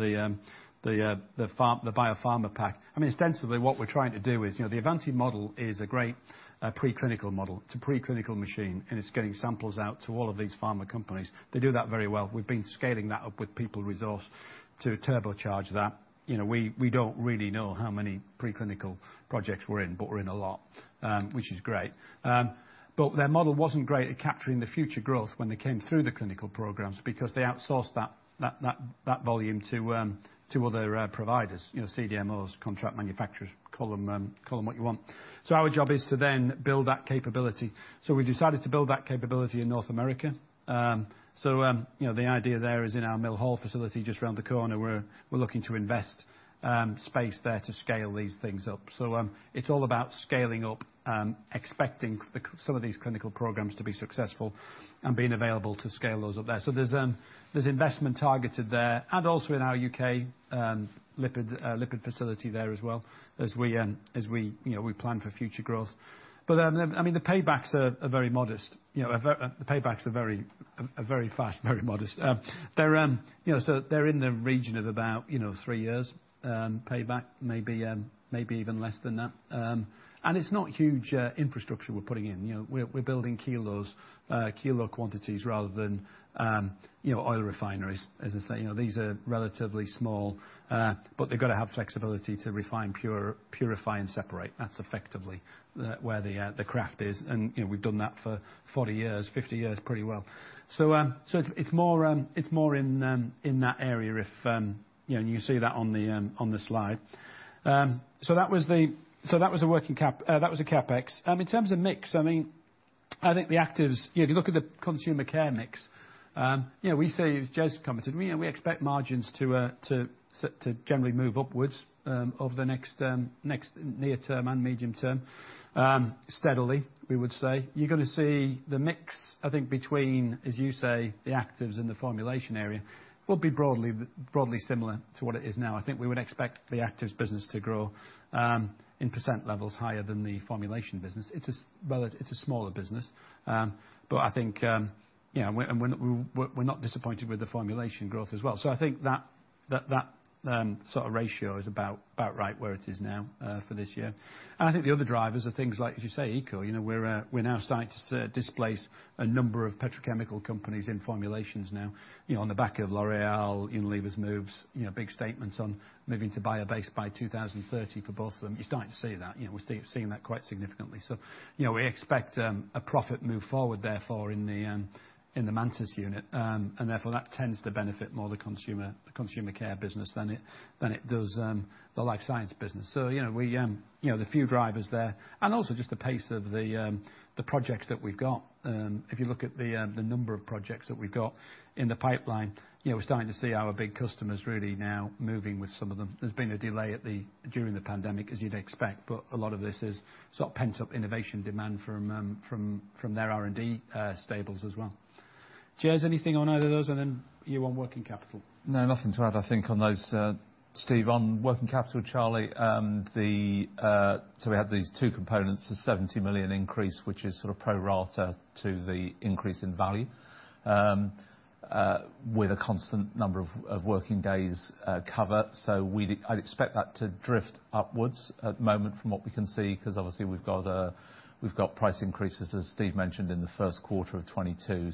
the biopharma pack. I mean, ostensibly, what we're trying to do is, you know, the Avanti model is a great preclinical model. It's a preclinical machine, and it's getting samples out to all of these pharma companies. They do that very well. We've been scaling that up with people resource to turbocharge that. You know, we don't really know how many preclinical projects we're in, but we're in a lot, which is great. Their model wasn't great at capturing the future growth when they came through the clinical programs because they outsourced that volume to other providers. You know, CDMOs, contract manufacturers, call them what you want. Our job is to then build that capability. We decided to build that capability in North America. You know, the idea there is in our Mill Hall facility just around the corner, we're looking to invest space there to scale these things up. It's all about scaling up, expecting some of these clinical programs to be successful and being available to scale those up there. There's investment targeted there and also in our UK lipid facility there as well as we, you know, we plan for future growth. I mean, the paybacks are very modest. You know, the paybacks are very fast, very modest. They're, you know, so they're in the region of about, you know, three years payback, maybe even less than that. And it's not huge infrastructure we're putting in. You know, we're building kilo quantities rather than, you know, oil refineries. As I say, you know, these are relatively small, but they've gotta have flexibility to refine, purify and separate. That's effectively where the craft is. You know, we've done that for 40 years, 50 years pretty well. It's more in that area if you know, and you see that on the slide. That was a working cap, that was a CapEx. In terms of mix, I mean, I think the Actives, you know, if you look at the Consumer Care mix, you know, we see, as Jez commented, you know, we expect margins to generally move upwards over the next near term and medium term steadily, we would say. You're gonna see the mix, I think between, as you say, the Actives in the formulation area will be broadly similar to what it is now. I think we would expect the Actives business to grow in percent levels higher than the formulation business. Well, it's a smaller business. But I think, yeah, we're not disappointed with the formulation growth as well. I think that sort of ratio is about right where it is now, for this year. I think the other drivers are things like, as you say, ECO. You know, we're now starting to displace a number of petrochemical companies in formulations now, you know, on the back of L'Oréal, Unilever's moves, you know, big statements on moving to bio-based by 2030 for both of them. You're starting to see that. You know, we're seeing that quite significantly. You know, we expect a profit move forward, therefore, in the Actives unit. Therefore, that tends to benefit more the Consumer Care business than it does the Life Sciences business. You know, we, you know, the few drivers there and also just the pace of the projects that we've got. If you look at the number of projects that we've got in the pipeline, you know, we're starting to see our big customers really now moving with some of them. There's been a delay during the pandemic, as you'd expect, but a lot of this is sort of pent-up innovation demand from their R&D stables as well. Jez, anything on either of those? Then you on working capital. No, nothing to add, I think, on those, Steve. On working capital, Charlie, so we have these two components, the 70 million increase, which is sort of pro rata to the increase in value, with a constant number of working days cover. We'd expect that to drift upwards at the moment from what we can see, 'cause obviously we've got price increases, as Steve mentioned, in the first quarter of 2022.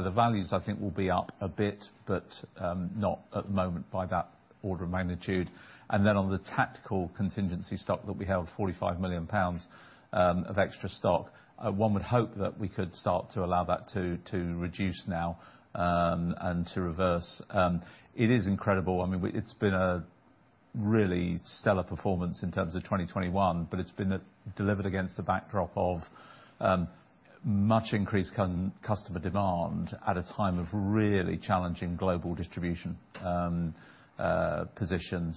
The values I think will be up a bit, but not at the moment by that order of magnitude. Then on the tactical contingency stock that we held 45 million pounds of extra stock, one would hope that we could start to allow that to reduce now and to reverse. It is incredible. I mean, it's been a really stellar performance in terms of 2021, but it's been delivered against the backdrop of much increased customer demand at a time of really challenging global distribution position.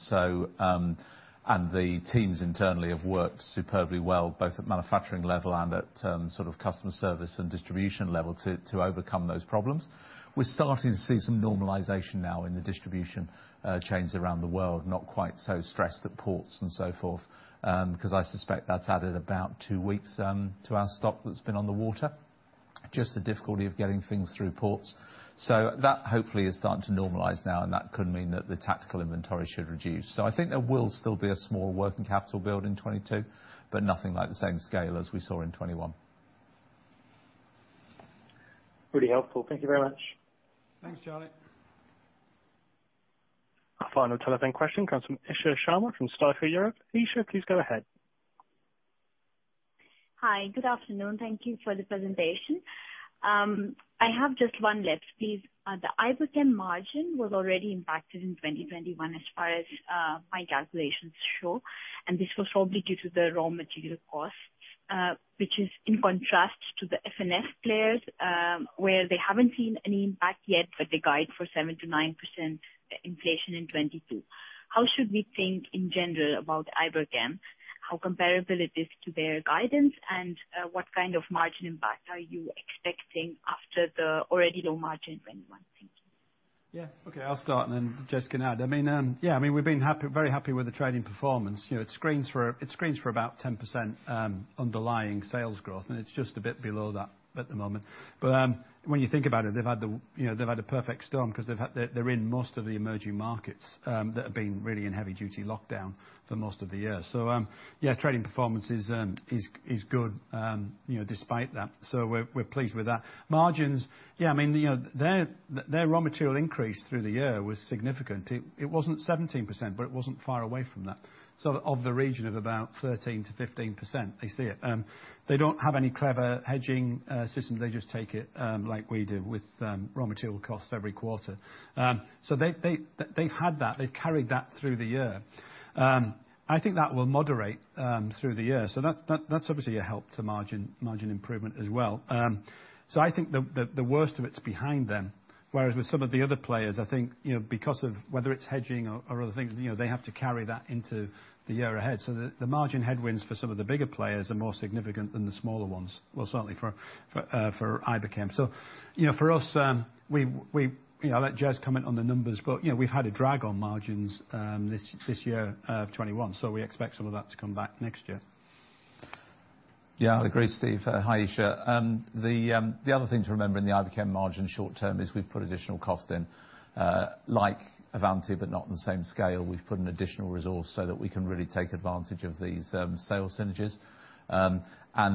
The teams internally have worked superbly well, both at manufacturing level and at sort of customer service and distribution level to overcome those problems. We're starting to see some normalization now in the distribution chains around the world, not quite so stressed at ports and so forth. 'Cause I suspect that's added about two weeks to our stock that's been on the water, just the difficulty of getting things through ports. That hopefully is starting to normalize now, and that could mean that the tactical inventory should reduce. I think there will still be a small working capital build in 2022, but nothing like the same scale as we saw in 2021. Really helpful. Thank you very much. Thanks, Charlie. Our final telephone question comes from Isha Sharma from Stifel Europe. Isha, please go ahead. Hi, good afternoon. Thank you for the presentation. I have just one question left, please. The Iberchem margin was already impacted in 2021 as far as my calculations show, and this was probably due to the raw material costs, which is in contrast to the F&F players, where they haven't seen any impact yet, but they guide for 7%-9% inflation in 2022. How should we think in general about Iberchem? How comparable it is to their guidance, and what kind of margin impact are you expecting after the already low margin in 2021? Thank you. Yeah. Okay, I'll start and then Jez can add. I mean, yeah, I mean, we've been happy, very happy with the trading performance. You know, it screens for about 10% underlying sales growth, and it's just a bit below that at the moment. When you think about it, they've had a perfect storm 'cause they've had. They're in most of the emerging markets that have been really in heavy-duty lockdown for most of the year. Yeah, trading performance is good, you know, despite that. We're pleased with that. Margins, yeah, I mean, you know, their raw material increase through the year was significant. It wasn't 17%, but it wasn't far away from that. Sort of the region of about 13%-15% they see it. They don't have any clever hedging systems. They just take it, like we do with raw material costs every quarter. They've had that. They've carried that through the year. I think that will moderate through the year. That's obviously a help to margin improvement as well. I think the worst of it's behind them. Whereas with some of the other players, I think, you know, because of whether it's hedging or other things, you know, they have to carry that into the year ahead. The margin headwinds for some of the bigger players are more significant than the smaller ones. Well, certainly for Iberchem. You know, for us, we you know, I'll let Jez comment on the numbers, but you know, we've had a drag on margins this year of 2021, so we expect some of that to come back next year. Yeah, I agree, Steve. Hi, Isha. The other thing to remember in the Iberchem margin short-term is we've put additional cost in, like Avanti, but not in the same scale. We've put an additional resource so that we can really take advantage of these sales synergies.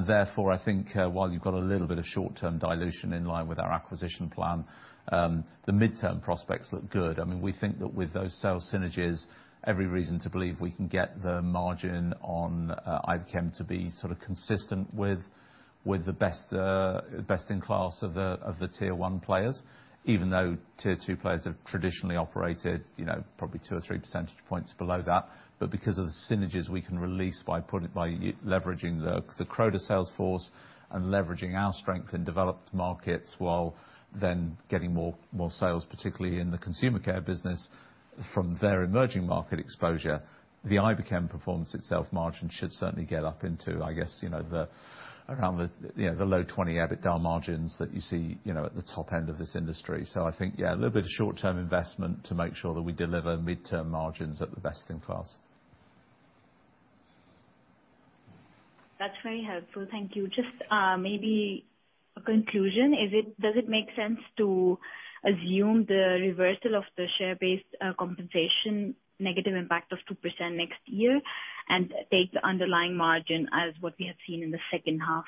Therefore, I think while you've got a little bit of short-term dilution in line with our acquisition plan, the midterm prospects look good. I mean, we think that with those sales synergies, every reason to believe we can get the margin on Iberchem to be sort of consistent with the best in class of the tier one players. Even though tier two players have traditionally operated, you know, probably two or three percentage points below that. Because of the synergies we can release by leveraging the Croda sales force and leveraging our strength in developed markets while then getting more sales, particularly in the Consumer Care business from their emerging market exposure, the Iberchem performance itself margin should certainly get up into, I guess, you know, around the, you know, the low 20% EBITDA margins that you see, you know, at the top end of this industry. I think, yeah, a little bit of short-term investment to make sure that we deliver midterm margins at the best in class. That's very helpful. Thank you. Just maybe a conclusion. Does it make sense to assume the reversal of the share-based compensation negative impact of 2% next year and take the underlying margin as what we have seen in the second half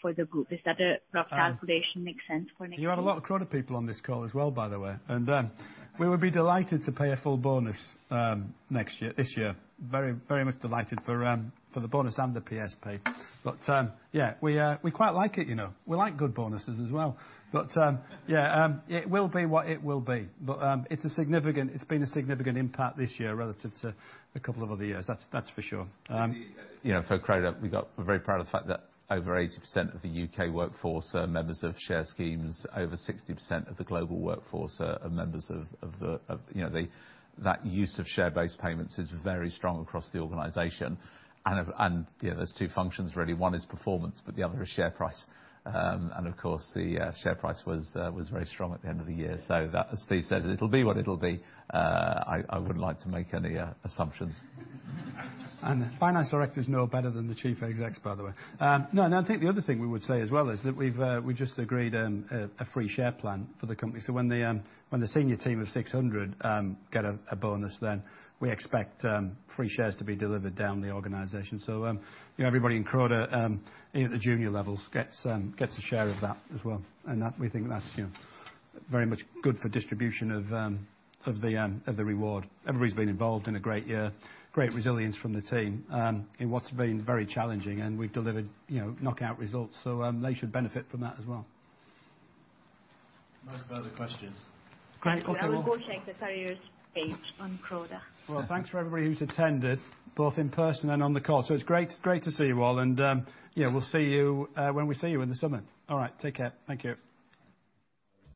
for the group? Is that a rough calculation that makes sense for next year? You have a lot of Croda people on this call as well, by the way. We would be delighted to pay a full bonus next year, this year. Very, very much delighted for the bonus and the PS pay. Yeah, we quite like it, you know. We like good bonuses as well. Yeah, it will be what it will be. It's been a significant impact this year relative to a couple of other years, that's for sure. You know, for Croda, we're very proud of the fact that over 80% of the UK workforce are members of share schemes. Over 60% of the global workforce are members of the share schemes. The use of share-based payments is very strong across the organization. You know, there's two functions really. One is performance, but the other is share price. And of course, the share price was very strong at the end of the year. That, as Steve says, it'll be what it'll be. I wouldn't like to make any assumptions. Finance directors know better than the chief execs, by the way. No, I think the other thing we would say as well is that we've just agreed a free share plan for the company. When the senior team of 600 get a bonus, then we expect free shares to be delivered down the organization. You know, everybody in Croda you know at the junior levels gets a share of that as well. That we think that's you know very much good for distribution of the reward. Everybody's been involved in a great year, great resilience from the team in what's been very challenging, and we've delivered you know knockout results. They should benefit from that as well. Most of the other questions. Great. Okay, well. I will go check the careers page on Croda. Well, thanks for everybody who's attended, both in person and on the call. It's great to see you all, and, yeah, we'll see you when we see you in the summer. All right, take care. Thank you.